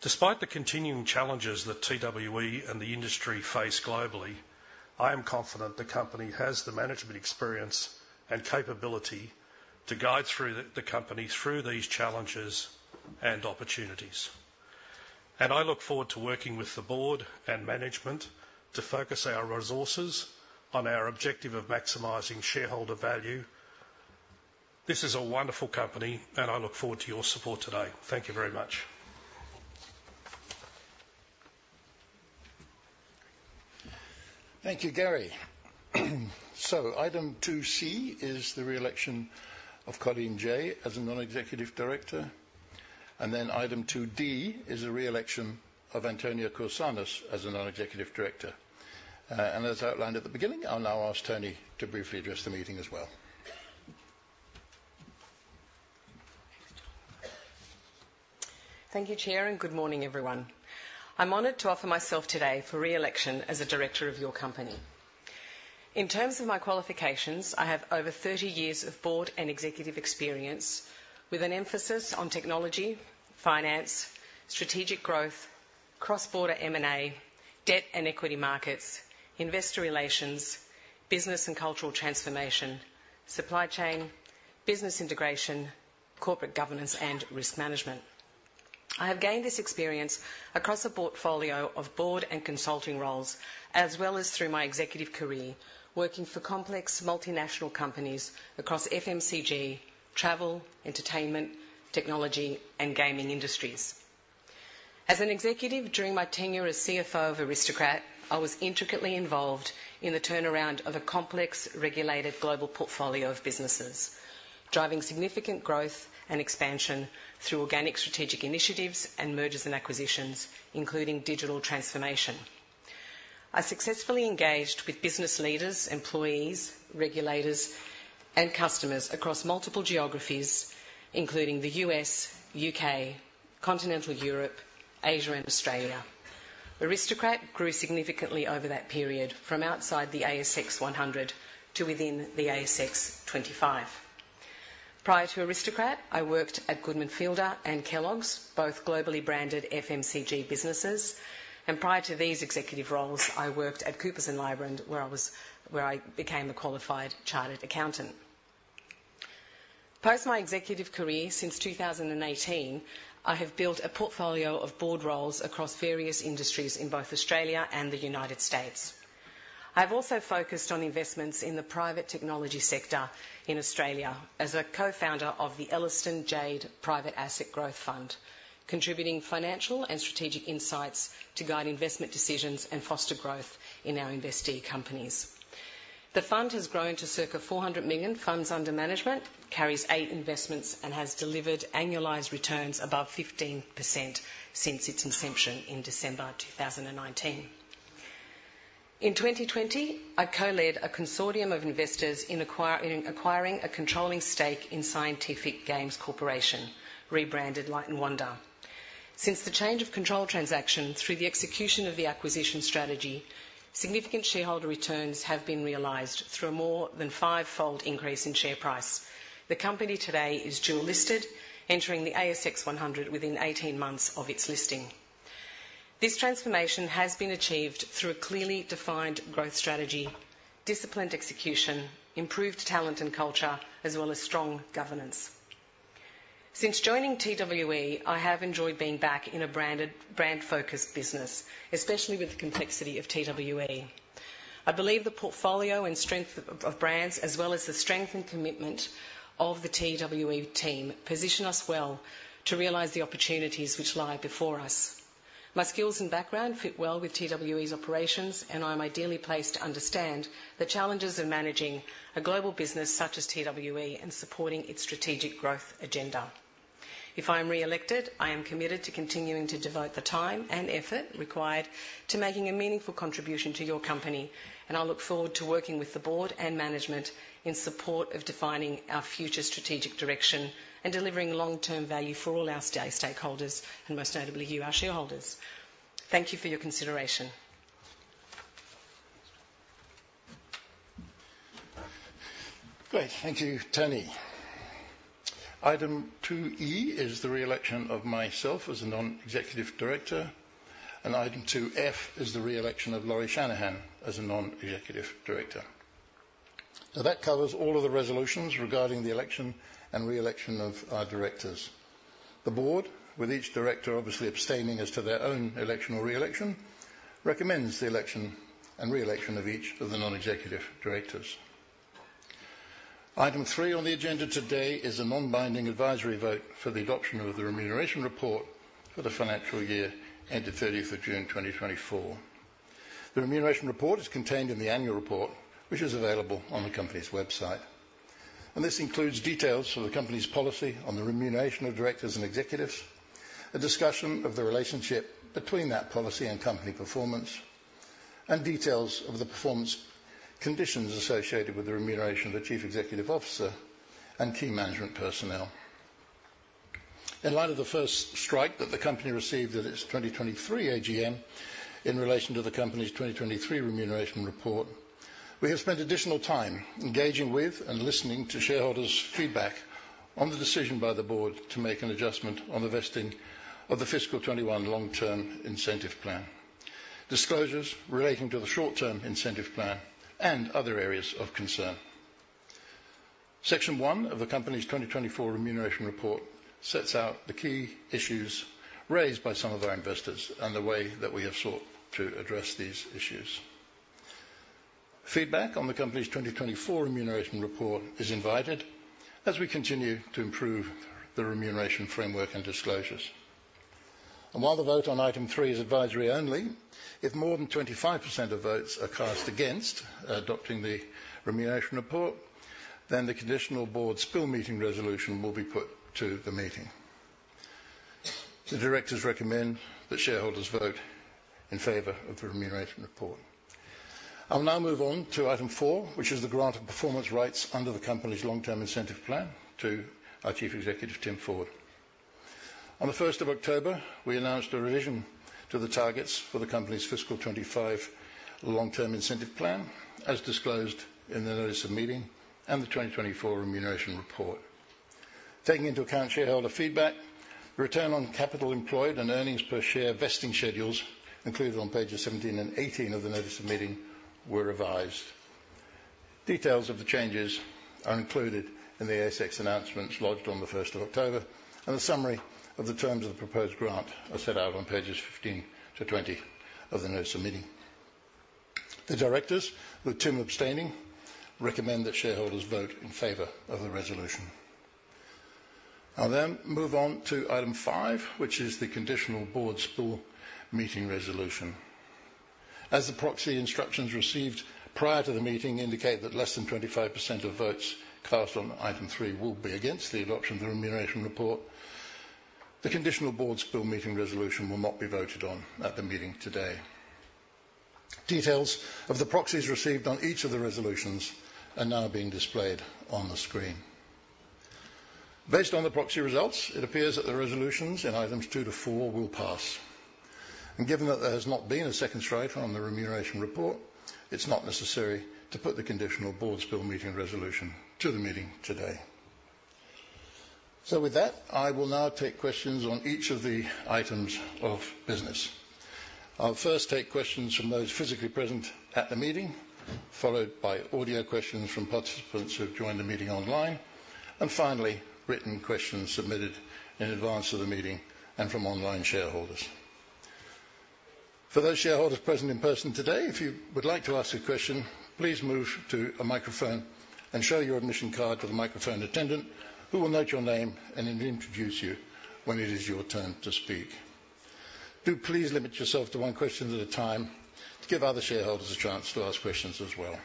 Despite the continuing challenges that TWE and the industry face globally, I am confident the company has the management experience and capability to guide the company through these challenges and opportunities. And I look forward to working with the Board and management to focus our resources on our objective of maximizing shareholder value. This is a wonderful company, and I look forward to your support today. Thank you very much. Thank you, Garry. So item two C is the re-election of Colleen Jay as a Non-Executive Director, and then item two D is the re-election of Antonia Korsanos as a Non-Executive Director. And as outlined at the beginning, I'll now ask Toni to briefly address the meeting as well. Thank you, Chair, and good morning, everyone. I'm honored to offer myself today for re-election as a Director of your company. In terms of my qualifications, I have over thirty years of Board and executive experience with an emphasis on technology, finance, strategic growth-... cross-border M&A, debt and equity markets, investor relations, business and cultural transformation, supply chain, business integration, corporate governance, and risk management. I have gained this experience across a portfolio of Board and consulting roles, as well as through my executive career, working for complex multinational companies across FMCG, travel, entertainment, technology, and gaming industries. As an executive, during my tenure as CFO of Aristocrat, I was intricately involved in the turnaround of a complex, regulated global portfolio of businesses, driving significant growth and expansion through organic strategic initiatives and mergers and acquisitions, including digital transformation. I successfully engaged with business leaders, employees, regulators, and customers across multiple geographies, including the U.S., U.K., Continental Europe, Asia, and Australia. Aristocrat grew significantly over that period, from outside the ASX 100 to within the ASX 25. Prior to Aristocrat, I worked at Goodman Fielder and Kellogg's, both globally branded FMCG businesses, and prior to these executive roles, I worked at Coopers & Lybrand, where I became a qualified chartered accountant. Post my executive career, since 2018, I have built a portfolio of Board roles across various industries in both Australia and the United States. I've also focused on investments in the private technology sector in Australia as a co-founder of the Ellerston JAADE Private Asset Growth Fund, contributing financial and strategic insights to guide investment decisions and foster growth in our investee companies. The fund has grown to circa 400 million funds under management, carries eight investments, and has delivered annualized returns above 15% since its inception in December 2019. In 2020, I co-led a consortium of investors in acquiring a controlling stake in Scientific Games Corporation, rebranded Light & Wonder. Since the change of control transaction, through the execution of the acquisition strategy, significant shareholder returns have been realized through a more than five-fold increase in share price. The company today is dual-listed, entering the ASX 100 within 18 months of its listing. This transformation has been achieved through a clearly defined growth strategy, disciplined execution, improved talent and culture, as well as strong governance. Since joining TWE, I have enjoyed being back in a branded, brand-focused business, especially with the complexity of TWE. I believe the portfolio and strength of brands, as well as the strength and commitment of the TWE team, position us well to realize the opportunities which lie before us. My skills and background fit well with TWE's operations, and I'm ideally placed to understand the challenges of managing a global business such as TWE and supporting its strategic growth agenda. If I am reelected, I am committed to continuing to devote the time and effort required to making a meaningful contribution to your company, and I look forward to working with the Board and management in support of defining our future strategic direction and delivering long-term value for all our stakeholders, and most notably, you, our shareholders. Thank you for your consideration. Great. Thank you, Toni. Item two E is the reelection of myself as a Non-Executive Director, and item two F is the reelection of Lauri Shanahan as a Non-Executive Director. So that covers all of the resolutions regarding the election and reelection of our Directors. The Board, with each Director obviously abstaining as to their own election or reelection, recommends the election and reelection of each of the Non-Executive Directors. Item three on the agenda today is a non-binding advisory vote for the adoption of the Remuneration Report for the financial year ended 30th of June, 2024. The Remuneration Report is contained in the annual report, which is available on the company's website, and this includes details of the company's policy on the remuneration of Directors and Executives, a discussion of the relationship between that policy and company performance, and details of the performance conditions associated with the remuneration of the Chief Executive Officer and Key Management Personnel. In light of the first strike that the company received at its 2023 AGM in relation to the company's 2023 Remuneration Report, we have spent additional time engaging with and listening to shareholders' feedback on the decision by the Board to make an adjustment on the vesting of the fiscal 2021 Long-Term Incentive Plan, disclosures relating to the Short-Term Incentive Plan and other areas of concern. Section one of the company's 2024 Remuneration Report sets out the key issues raised by some of our investors and the way that we have sought to address these issues. Feedback on the company's 2024 Remuneration Report is invited as we continue to improve the remuneration framework and disclosures. While the vote on item three is advisory only, if more than 25% of votes are cast against adopting the Remuneration Report, then the conditional Board spill meeting resolution will be put to the meeting. The Directors recommend that shareholders vote in favor of the Remuneration Report. I'll now move on to item four, which is the grant of performance rights under the company's Long-Term Incentive Plan to our Chief Executive, Tim Ford. On the first of October, we announced a revision to the targets for the company's fiscal 2025 Long-Term Incentive Plan, as disclosed in the Notice of Meeting and the 2024 Remuneration Report. Taking into account shareholder feedback, return on capital employed and earnings per share vesting schedules included on pages 17 and 18 of the Notice of Meeting were revised. Details of the changes are included in the ASX announcements lodged on the first of October, and a summary of the terms of the proposed grant are set out on pages 15 to 20 of the Notice of Meeting. The Directors, with Tim abstaining, recommend that shareholders vote in favor of the resolution. I'll then move on to item five, which is the conditional Board spill meeting resolution. As the proxy instructions received prior to the meeting indicate that less than 25% of votes cast on item three will be against the adoption of the Remuneration Report, the conditional Board spill meeting resolution will not be voted on at the meeting today. Details of the proxies received on each of the resolutions are now being displayed on the screen. Based on the proxy results, it appears that the resolutions in items two to four will pass, and given that there has not been a second strike on the Remuneration Report, it's not necessary to put the conditional Board spill meeting resolution to the meeting today. So with that, I will now take questions on each of the items of business. I'll first take questions from those physically present at the meeting, followed by audio questions from participants who have joined the meeting online, and finally, written questions submitted in advance of the meeting and from online shareholders. For those shareholders present in person today, if you would like to ask a question, please move to a microphone and show your admission card to the microphone attendant, who will note your name and then introduce you when it is your turn to speak. Do please limit yourself to one question at a time, to give other shareholders a chance to ask questions as well.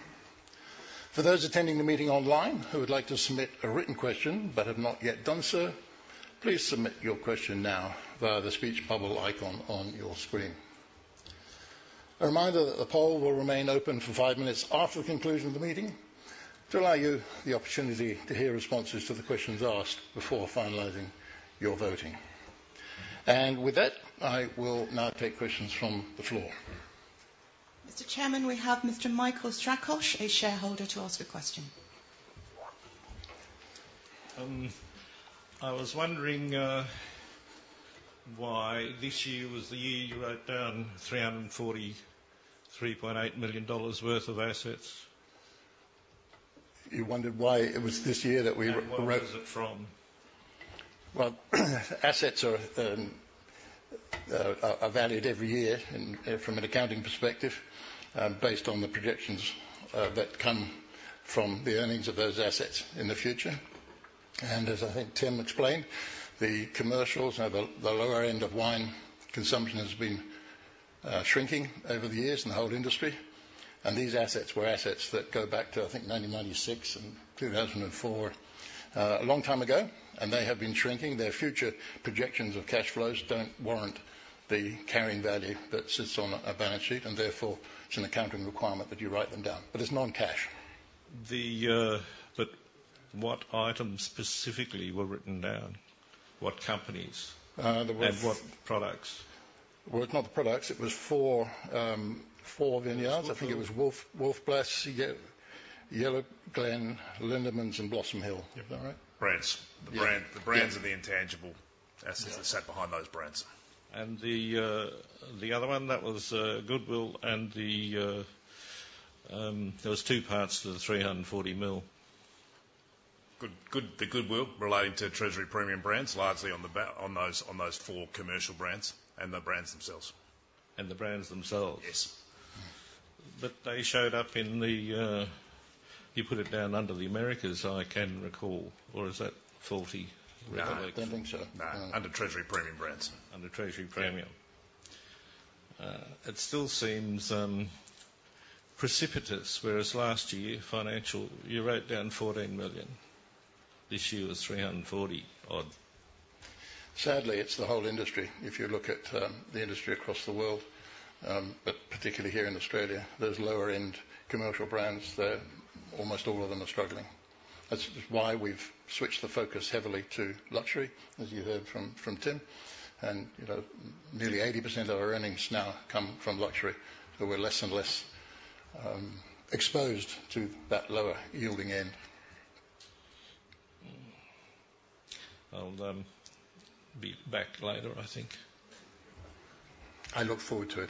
For those attending the meeting online who would like to submit a written question but have not yet done so, please submit your question now via the speech bubble icon on your screen. A reminder that the poll will remain open for five minutes after the conclusion of the meeting, to allow you the opportunity to hear responses to the questions asked before finalizing your voting, and with that, I will now take questions from the floor. Mr. Chairman, we have Mr. Michael Strakosch, a shareholder, to ask a question. I was wondering, why this year was the year you wrote down 343.8 million dollars worth of assets? You wondered why it was this year that we wrote- Where was it from? Assets are valued every year and from an accounting perspective, based on the projections that come from the earnings of those assets in the future. As I think Tim explained, the commercials, you know, the lower end of wine consumption has been shrinking over the years in the whole industry, and these assets were assets that go back to, I think, 1996 and 2004, a long time ago, and they have been shrinking. Their future projections of cash flows don't warrant the carrying value that sits on a balance sheet, and therefore, it's an accounting requirement that you write them down, but it's non-cash. But what items specifically were written down? What companies- There was. And what products? It's not the products. It was four vineyards. I think it was Wolf Blass, Yellowglen, Lindeman's, and Blossom Hill. Is that right? Brands. Yeah. The brand, the brands are the intangible assets that sat behind those brands. And the other one, that was goodwill, and there was two parts to the 340 million. Good, good, the goodwill relating to Treasury Premium Brands, largely on those four commercial brands and the brands themselves. The brands themselves? But they showed up in the, you put it down under the Americas, I can recall, or is that faulty recollection? No, I don't think so. No, under Treasury Premium Brands. Under Treasury Premium. It still seems precipitous, whereas last year, financial, you wrote down 14 million. This year, was 340 odd. Sadly, it's the whole industry. If you look at the industry across the world, but particularly here in Australia, there's lower-end commercial brands that almost all of them are struggling. That's why we've switched the focus heavily to luxury, as you heard from Tim, and you know, nearly 80% of our earnings now come from luxury, so we're less and less exposed to that lower-yielding end. I'll be back later, I think. I look forward to it.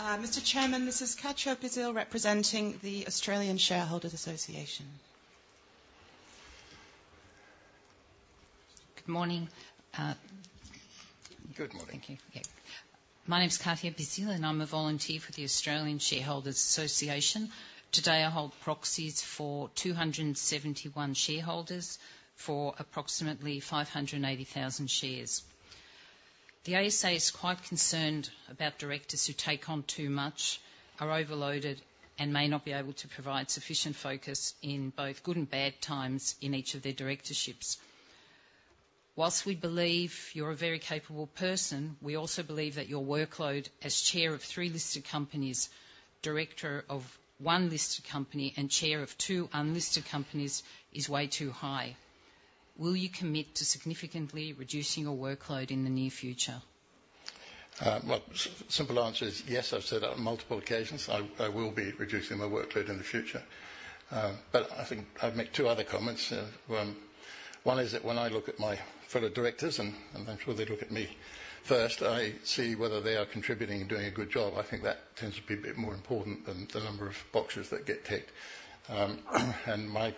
Mr. Chairman, this is Katja Bizilj, representing the Australian Shareholders Association. Good morning. Good morning. Thank you. Yeah. My name is Katja Bizilj, and I'm a volunteer for the Australian Shareholders Association. Today, I hold proxies for 271 shareholders for approximately 580,000 shares. The ASA is quite concerned about Directors who take on too much, are overloaded, and may not be able to provide sufficient focus in both good and bad times in each of their directorships. While we believe you're a very capable person, we also believe that your workload as chair of three listed companies, Director of one listed company, and chair of two unlisted companies, is way too high. Will you commit to significantly reducing your workload in the near future?... Well, simple answer is yes, I've said that on multiple occasions. I will be reducing my workload in the future. But I think I'd make two other comments. One is that when I look at my fellow Directors, and I'm sure they look at me first, I see whether they are contributing and doing a good job. I think that tends to be a bit more important than the number of boxes that get ticked. And my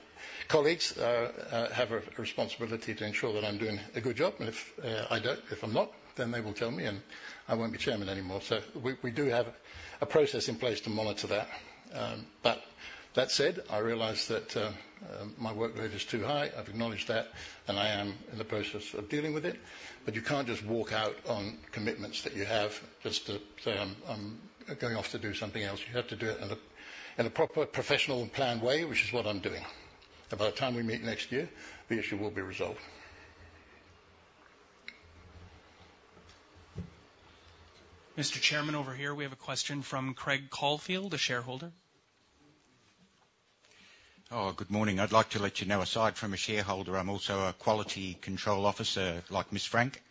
colleagues have a responsibility to ensure that I'm doing a good job, and if I don't, if I'm not, then they will tell me, and I won't be chairman anymore. So we do have a process in place to monitor that. But that said, I realize that my workload is too high. I've acknowledged that, and I am in the process of dealing with it. But you can't just walk out on commitments that you have just to say, "I'm going off to do something else." You have to do it in a proper, professional and planned way, which is what I'm doing. And by the time we meet next year, the issue will be resolved. Mr. Chairman, over here we have a question from Craig Caulfield, a shareholder. Oh, good morning. I'd like to let you know, aside from a shareholder, I'm also a quality control officer, like Ms. Frank.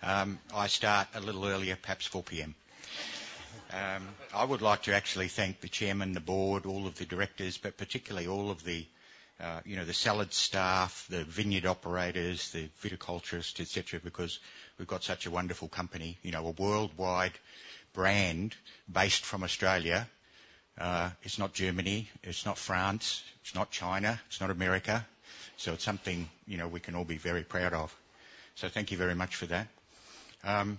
I start a little earlier, perhaps 4 P.M. I would like to actually thank the chairman, the Board, all of the Directors, but particularly all of the, you know, the salaried staff, the vineyard operators, the viticulturists, et cetera, because we've got such a wonderful company. You know, a worldwide brand based from Australia. It's not Germany, it's not France, it's not China, it's not America, so it's something, you know, we can all be very proud of. So thank you very much for that.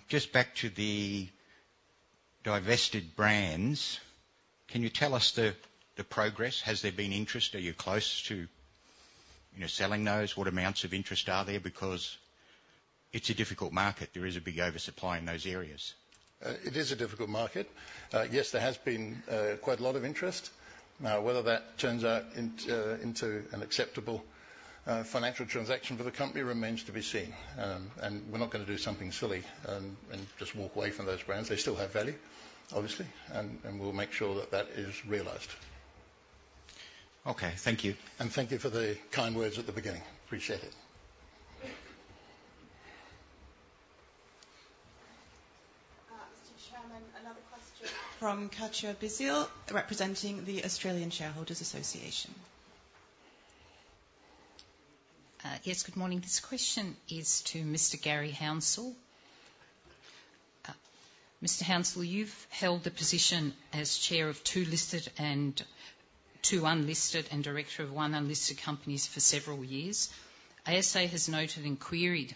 Just back to the divested brands, can you tell us the, the progress? Has there been interest? Are you close to, you know, selling those? What amounts of interest are there? Because it's a difficult market. There is a big oversupply in those areas. It is a difficult market. Yes, there has been quite a lot of interest. Now, whether that turns out into an acceptable financial transaction for the company remains to be seen. And we're not gonna do something silly and just walk away from those brands. They still have value, obviously, and we'll make sure that that is realized. Okay. Thank you. Thank you for the kind words at the beginning. Appreciate it. Mr. Chairman, another question from Katja Bizilj, representing the Australian Shareholders Association. Yes, good morning. This question is to Mr. Garry Hounsell. Mr. Hounsell, you've held the position as chair of two listed and two unlisted, and Director of one unlisted companies for several years. ASA has noted and queried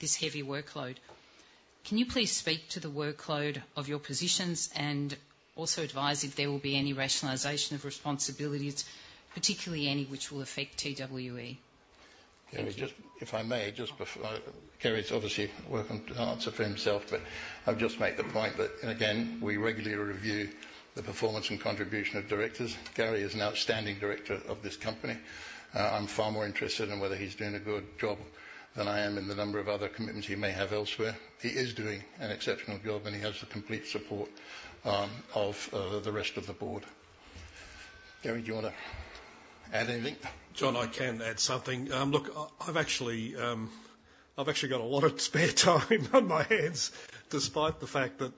this heavy workload. Can you please speak to the workload of your positions and also advise if there will be any rationalization of responsibilities, particularly any which will affect TWE? Yeah, just if I may, just before... Garry, obviously, welcome to answer for himself, but I'll just make the point that, and again, we regularly review the performance and contribution of Directors. Garry is an outstanding Director of this company. I'm far more interested in whether he's doing a good job than I am in the number of other commitments he may have elsewhere. He is doing an exceptional job, and he has the complete support of the rest of the Board. Garry, do you wanna add anything? John, I can add something. Look, I've actually got a lot of spare time on my hands, despite the fact that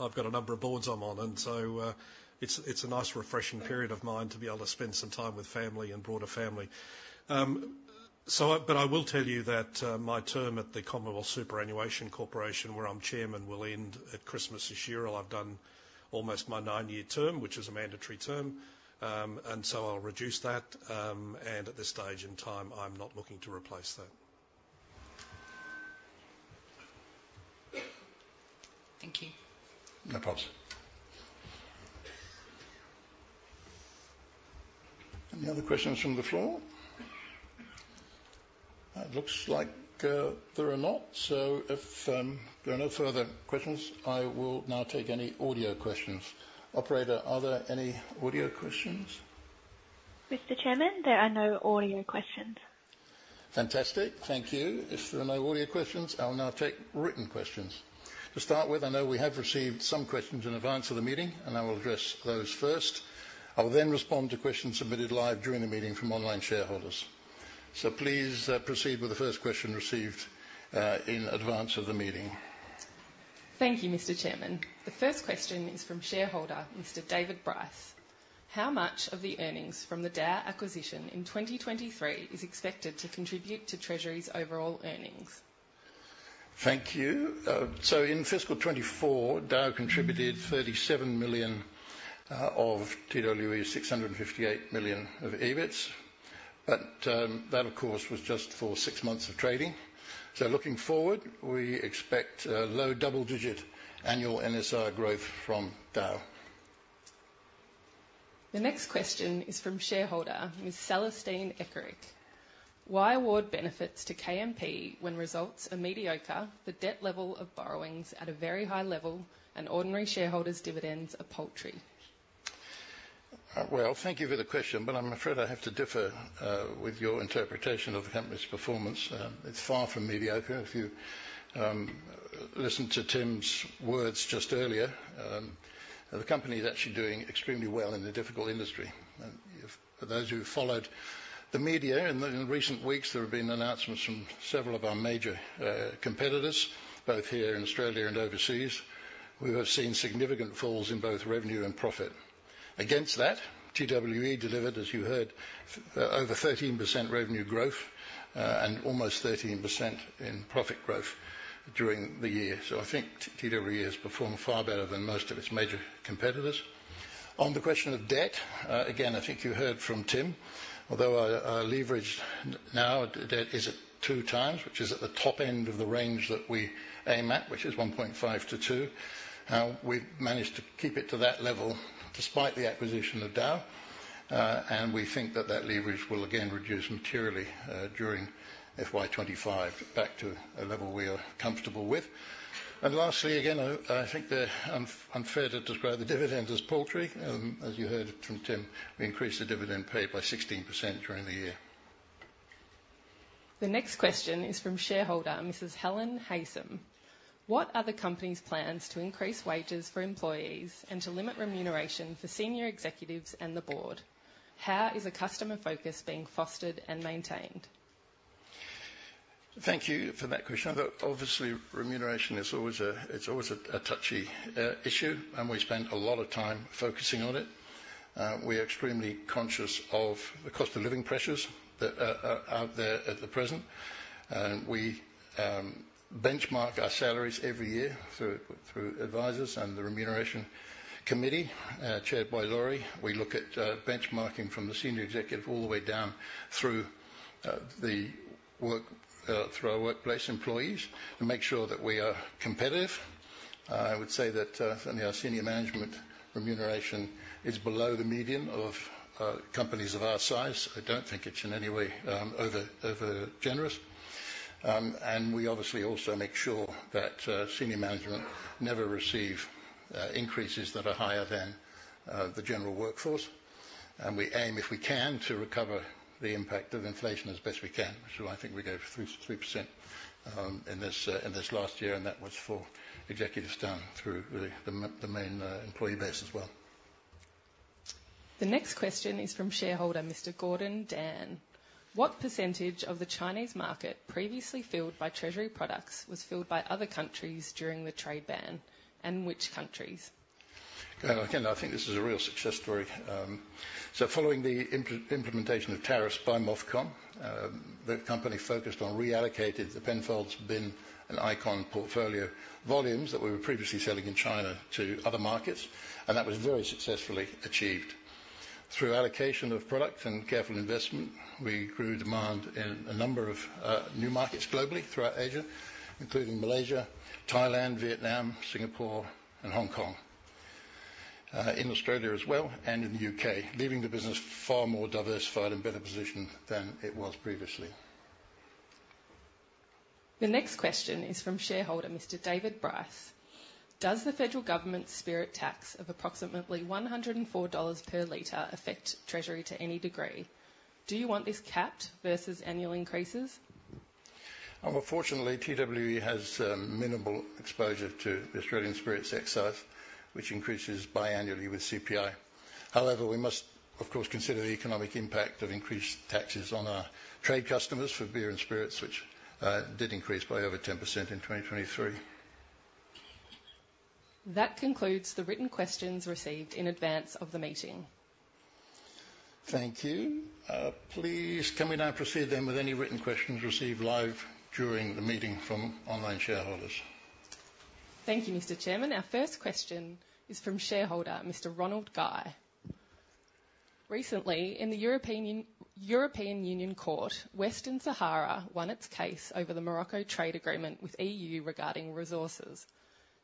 I've got a number of Boards I'm on, and so it's a nice refreshing period of mine to be able to spend some time with family and broader family, but I will tell you that my term at the Commonwealth Superannuation Corporation, where I'm chairman, will end at Christmas this year. I've done almost my nine-year term, which is a mandatory term, and so I'll reduce that, and at this stage in time, I'm not looking to replace that. Thank you. No probs. Any other questions from the floor? It looks like there are not, so if there are no further questions, I will now take any audio questions. Operator, are there any audio questions? Mr. Chairman, there are no audio questions. Fantastic. Thank you. If there are no audio questions, I'll now take written questions. To start with, I know we have received some questions in advance of the meeting, and I will address those first. I will then respond to questions submitted live during the meeting from online shareholders. So please, proceed with the first question received, in advance of the meeting. Thank you, Mr. Chairman. The first question is from shareholder Mr. David Bryce: How much of the earnings from the DAOU acquisition in 2023 is expected to contribute to Treasury's overall earnings? Thank you. So in fiscal 2024, DAOU contributed 37 million of TWE's 658 million of EBIT, but, that, of course, was just for six months of trading. So looking forward, we expect a low double-digit annual NSR growth from DAOU. The next question is from shareholder Ms. Celestine Eckerick: Why award benefits to KMP when results are mediocre, the debt level of borrowings at a very high level, and ordinary shareholders' dividends are paltry? Well, thank you for the question, but I'm afraid I have to differ with your interpretation of the company's performance. It's far from mediocre. If you listened to Tim's words just earlier, the company is actually doing extremely well in a difficult industry. In the media in recent weeks, there have been announcements from several of our major competitors, both here in Australia and overseas. We have seen significant falls in both revenue and profit. Against that, TWE delivered, as you heard, over 13% revenue growth, and almost 13% in profit growth during the year. So I think TWE has performed far better than most of its major competitors. On the question of debt, again, I think you heard from Tim, although our leverage now debt is at two times, which is at the top end of the range that we aim at, which is 1.5-2. We've managed to keep it to that level despite the acquisition of DAOU, and we think that that leverage will again reduce materially during FY 2025, back to a level we are comfortable with. And lastly, again, I think that unfair to describe the dividend as paltry. As you heard from Tim, we increased the dividend paid by 16% during the year. The next question is from shareholder, Mrs. Helen Haysom: What are the company's plans to increase wages for employees and to limit remuneration for senior executives and the Board? How is the customer focus being fostered and maintained? Thank you for that question. Obviously, remuneration is always a touchy issue, and we spend a lot of time focusing on it. We are extremely conscious of the cost of living pressures that are out there at the present, and we benchmark our salaries every year through advisors and the Remuneration Committee, chaired by Lauri. We look at benchmarking from the senior executive all the way down through the work through our workplace employees to make sure that we are competitive. I would say that certainly our senior management remuneration is below the median of companies of our size. I don't think it's in any way over generous. And we obviously also make sure that senior management never receive increases that are higher than the general workforce. We aim, if we can, to recover the impact of inflation as best we can. So I think we go through 3% in this last year, and that was for executives down through the main employee base as well. The next question is from shareholder, Mr. Gordon Dann: What percentage of the Chinese market previously filled by Treasury products was filled by other countries during the trade ban, and which countries? Again, I think this is a real success story. So following the implementation of tariffs by MOFCOM, the company focused on reallocating the Penfolds, Bin, and Icon portfolio volumes that we were previously selling in China to other markets, and that was very successfully achieved. Through allocation of product and careful investment, we grew demand in a number of new markets globally throughout Asia, including Malaysia, Thailand, Vietnam, Singapore, and Hong Kong. In Australia as well, and in the UK, leaving the business far more diversified and better positioned than it was previously. The next question is from shareholder, Mr. David Bryce: Does the federal government's spirit tax of approximately AUD 104 per liter affect Treasury to any degree? Do you want this capped versus annual increases? Fortunately, TWE has minimal exposure to the Australian spirit excise, which increases biannually with CPI. However, we must, of course, consider the economic impact of increased taxes on our trade customers for beer and spirits, which did increase by over 10% in 2023. That concludes the written questions received in advance of the meeting. Thank you. Please, can we now proceed then with any written questions received live during the meeting from online shareholders? Thank you, Mr. Chairman. Our first question is from shareholder, Mr. Ronald Guy: Recently, in the European Union Court, Western Sahara won its case over the Morocco trade agreement with EU regarding resources.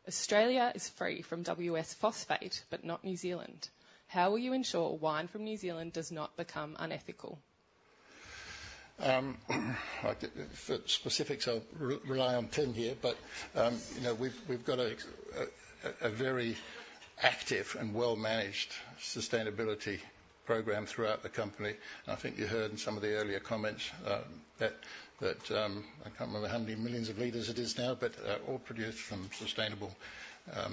Australia is free from WS Phosphate, but not New Zealand. How will you ensure wine from New Zealand does not become unethical? For specifics, I'll rely on Tim here, but you know, we've got a very active and well-managed sustainability program throughout the company. I think you heard in some of the earlier comments that I can't remember how many millions of litres it is now, but all produced from sustainable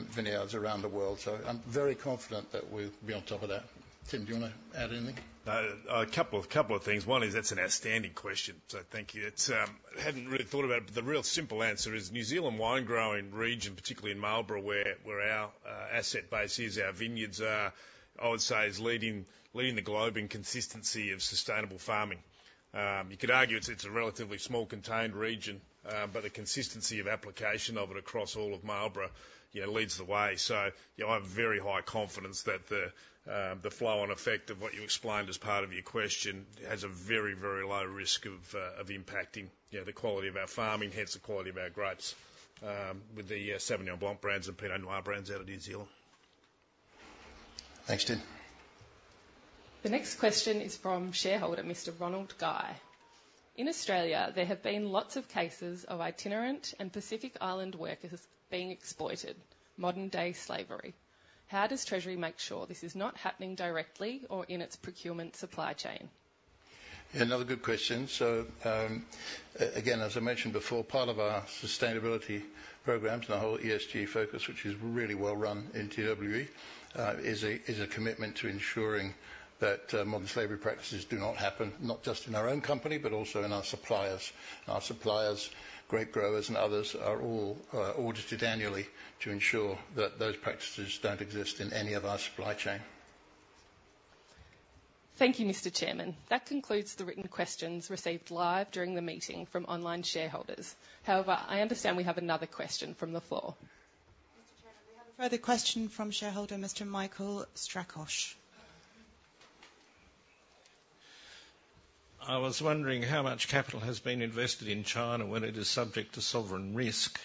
vineyards around the world. So I'm very confident that we'll be on top of that. Tim, do you want to add anything? No, a couple of things. One is, that's an outstanding question, so thank you. It's... I hadn't really thought about it, but the real simple answer is, New Zealand wine-growing region, particularly in Marlborough, where our asset base is, our vineyards are, I would say, is leading the globe in consistency of sustainable farming. You could argue it's a relatively small, contained region, but the consistency of application of it across all of Marlborough, yeah, leads the way. So, yeah, I have very high confidence that the flow and effect of what you explained as part of your question has a very, very low risk of impacting, you know, the quality of our farming, hence the quality of our grapes, with the Sauvignon Blanc brands and Pinot Noir brands out of New Zealand. Thanks, Tim. The next question is from shareholder, Mr. Ronald Guy: In Australia, there have been lots of cases of itinerant and Pacific Island workers being exploited, modern-day slavery. How does Treasury make sure this is not happening directly or in its procurement supply chain?... Another good question. So, again, as I mentioned before, part of our sustainability programs and our whole ESG focus, which is really well run in TWE, is a commitment to ensuring that modern slavery practices do not happen, not just in our own company, but also in our suppliers. Our suppliers, grape growers, and others are all audited annually to ensure that those practices don't exist in any of our supply chain. Thank you, Mr. Chairman. That concludes the written questions received live during the meeting from online shareholders. However, I understand we have another question from the floor. Mr. Chairman, we have a further question from shareholder, Mr. Michael Strakosch. I was wondering how much capital has been invested in China when it is subject to sovereign risk?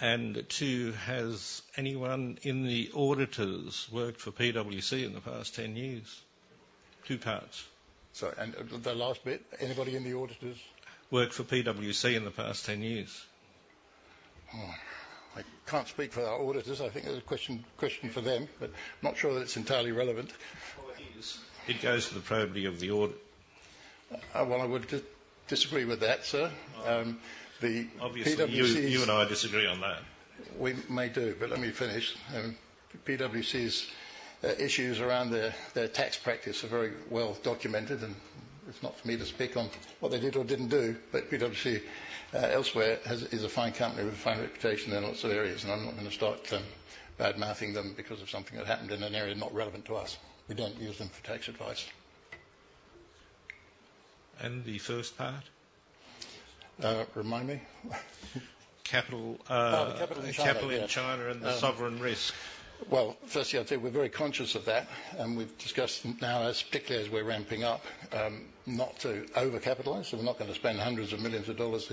And two, has anyone in the auditors worked for PwC in the past ten years? Two parts. So, and the last bit, anybody in the audience? Worked for PwC in the past 10 years. Oh, I can't speak for our auditors. I think that's a question for them, but not sure that it's entirely relevant. Oh, it is. It goes to the probity of the audit. Well, I would disagree with that, sir. The PwC's- Obviously, you and I disagree on that. We may do, but let me finish. PwC's issues around their tax practice are very well documented, and it's not for me to speak on what they did or didn't do. But PwC elsewhere is a fine company with a fine reputation in lots of areas, and I'm not gonna start badmouthing them because of something that happened in an area not relevant to us. We don't use them for tax advice. And the first part? Remind me? Capital, uh- Oh, capital in China. Capital in China and the sovereign risk. Firstly, I'd say we're very conscious of that, and we've discussed now, as particularly as we're ramping up, not to overcapitalize. So we're not gonna spend hundreds of millions of dollars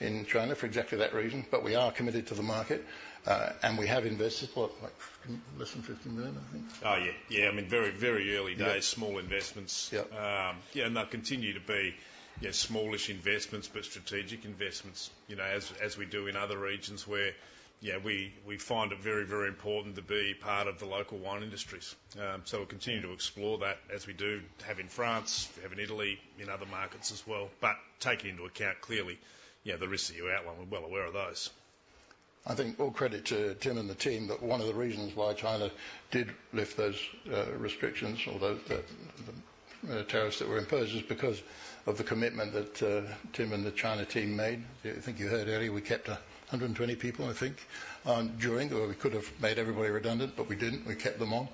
in China for exactly that reason, but we are committed to the market. And we have invested, what? Like less than 50 million, I think. Oh, yeah. Yeah, I mean, very, very early days. Yep. Small investments. Yep. Yeah, and they'll continue to be, yeah, smallish investments, but strategic investments, you know, as we do in other regions where, yeah, we find it very, very important to be part of the local wine industries. So we'll continue to explore that as we do have in France, we have in Italy, in other markets as well. But taking into account, clearly, yeah, the risks that you outlined. We're well aware of those. I think all credit to Tim and the team, that one of the reasons why China did lift those restrictions, although the tariffs that were imposed, is because of the commitment that Tim and the China team made. I think you heard earlier, we kept a hundred and twenty people, I think, during, or we could have made everybody redundant, but we didn't. We kept them on.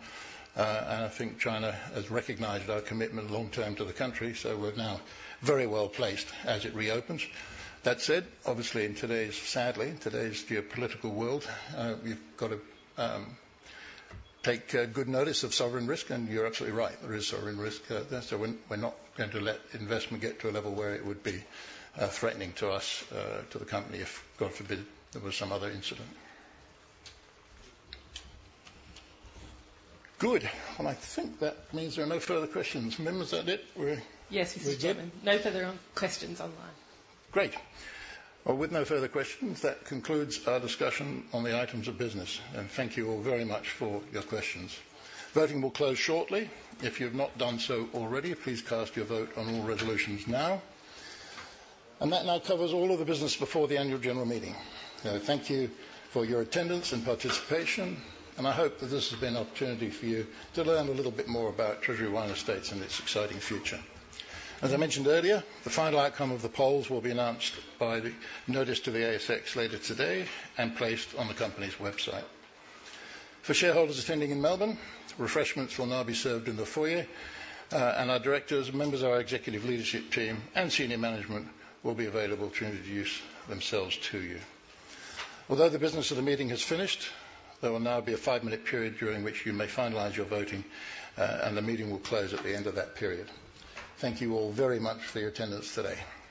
And I think China has recognized our commitment long term to the country, so we're now very well placed as it reopens. That said, obviously, in today's sadly geopolitical world, we've got to take good notice of sovereign risk, and you're absolutely right. There is sovereign risk out there, so we're not going to let investment get to a level where it would be threatening to us, to the company, if, God forbid, there was some other incident. Good. Well, I think that means there are no further questions. Mim, is that it? We're Yes, Mr. Chairman. We're good? No further questions online. Great. Well, with no further questions, that concludes our discussion on the items of business. And thank you all very much for your questions. Voting will close shortly. If you've not done so already, please cast your vote on all resolutions now. And that now covers all of the business before the annual general meeting. Thank you for your attendance and participation, and I hope that this has been an opportunity for you to learn a little bit more about Treasury Wine Estates and its exciting future. As I mentioned earlier, the final outcome of the polls will be announced by the notice to the ASX later today and placed on the company's website. For shareholders attending in Melbourne, refreshments will now be served in the foyer, and our Directors, members of our executive leadership team, and senior management will be available to introduce themselves to you. Although the business of the meeting has finished, there will now be a five-minute period during which you may finalize your voting, and the meeting will close at the end of that period. Thank you all very much for your attendance today.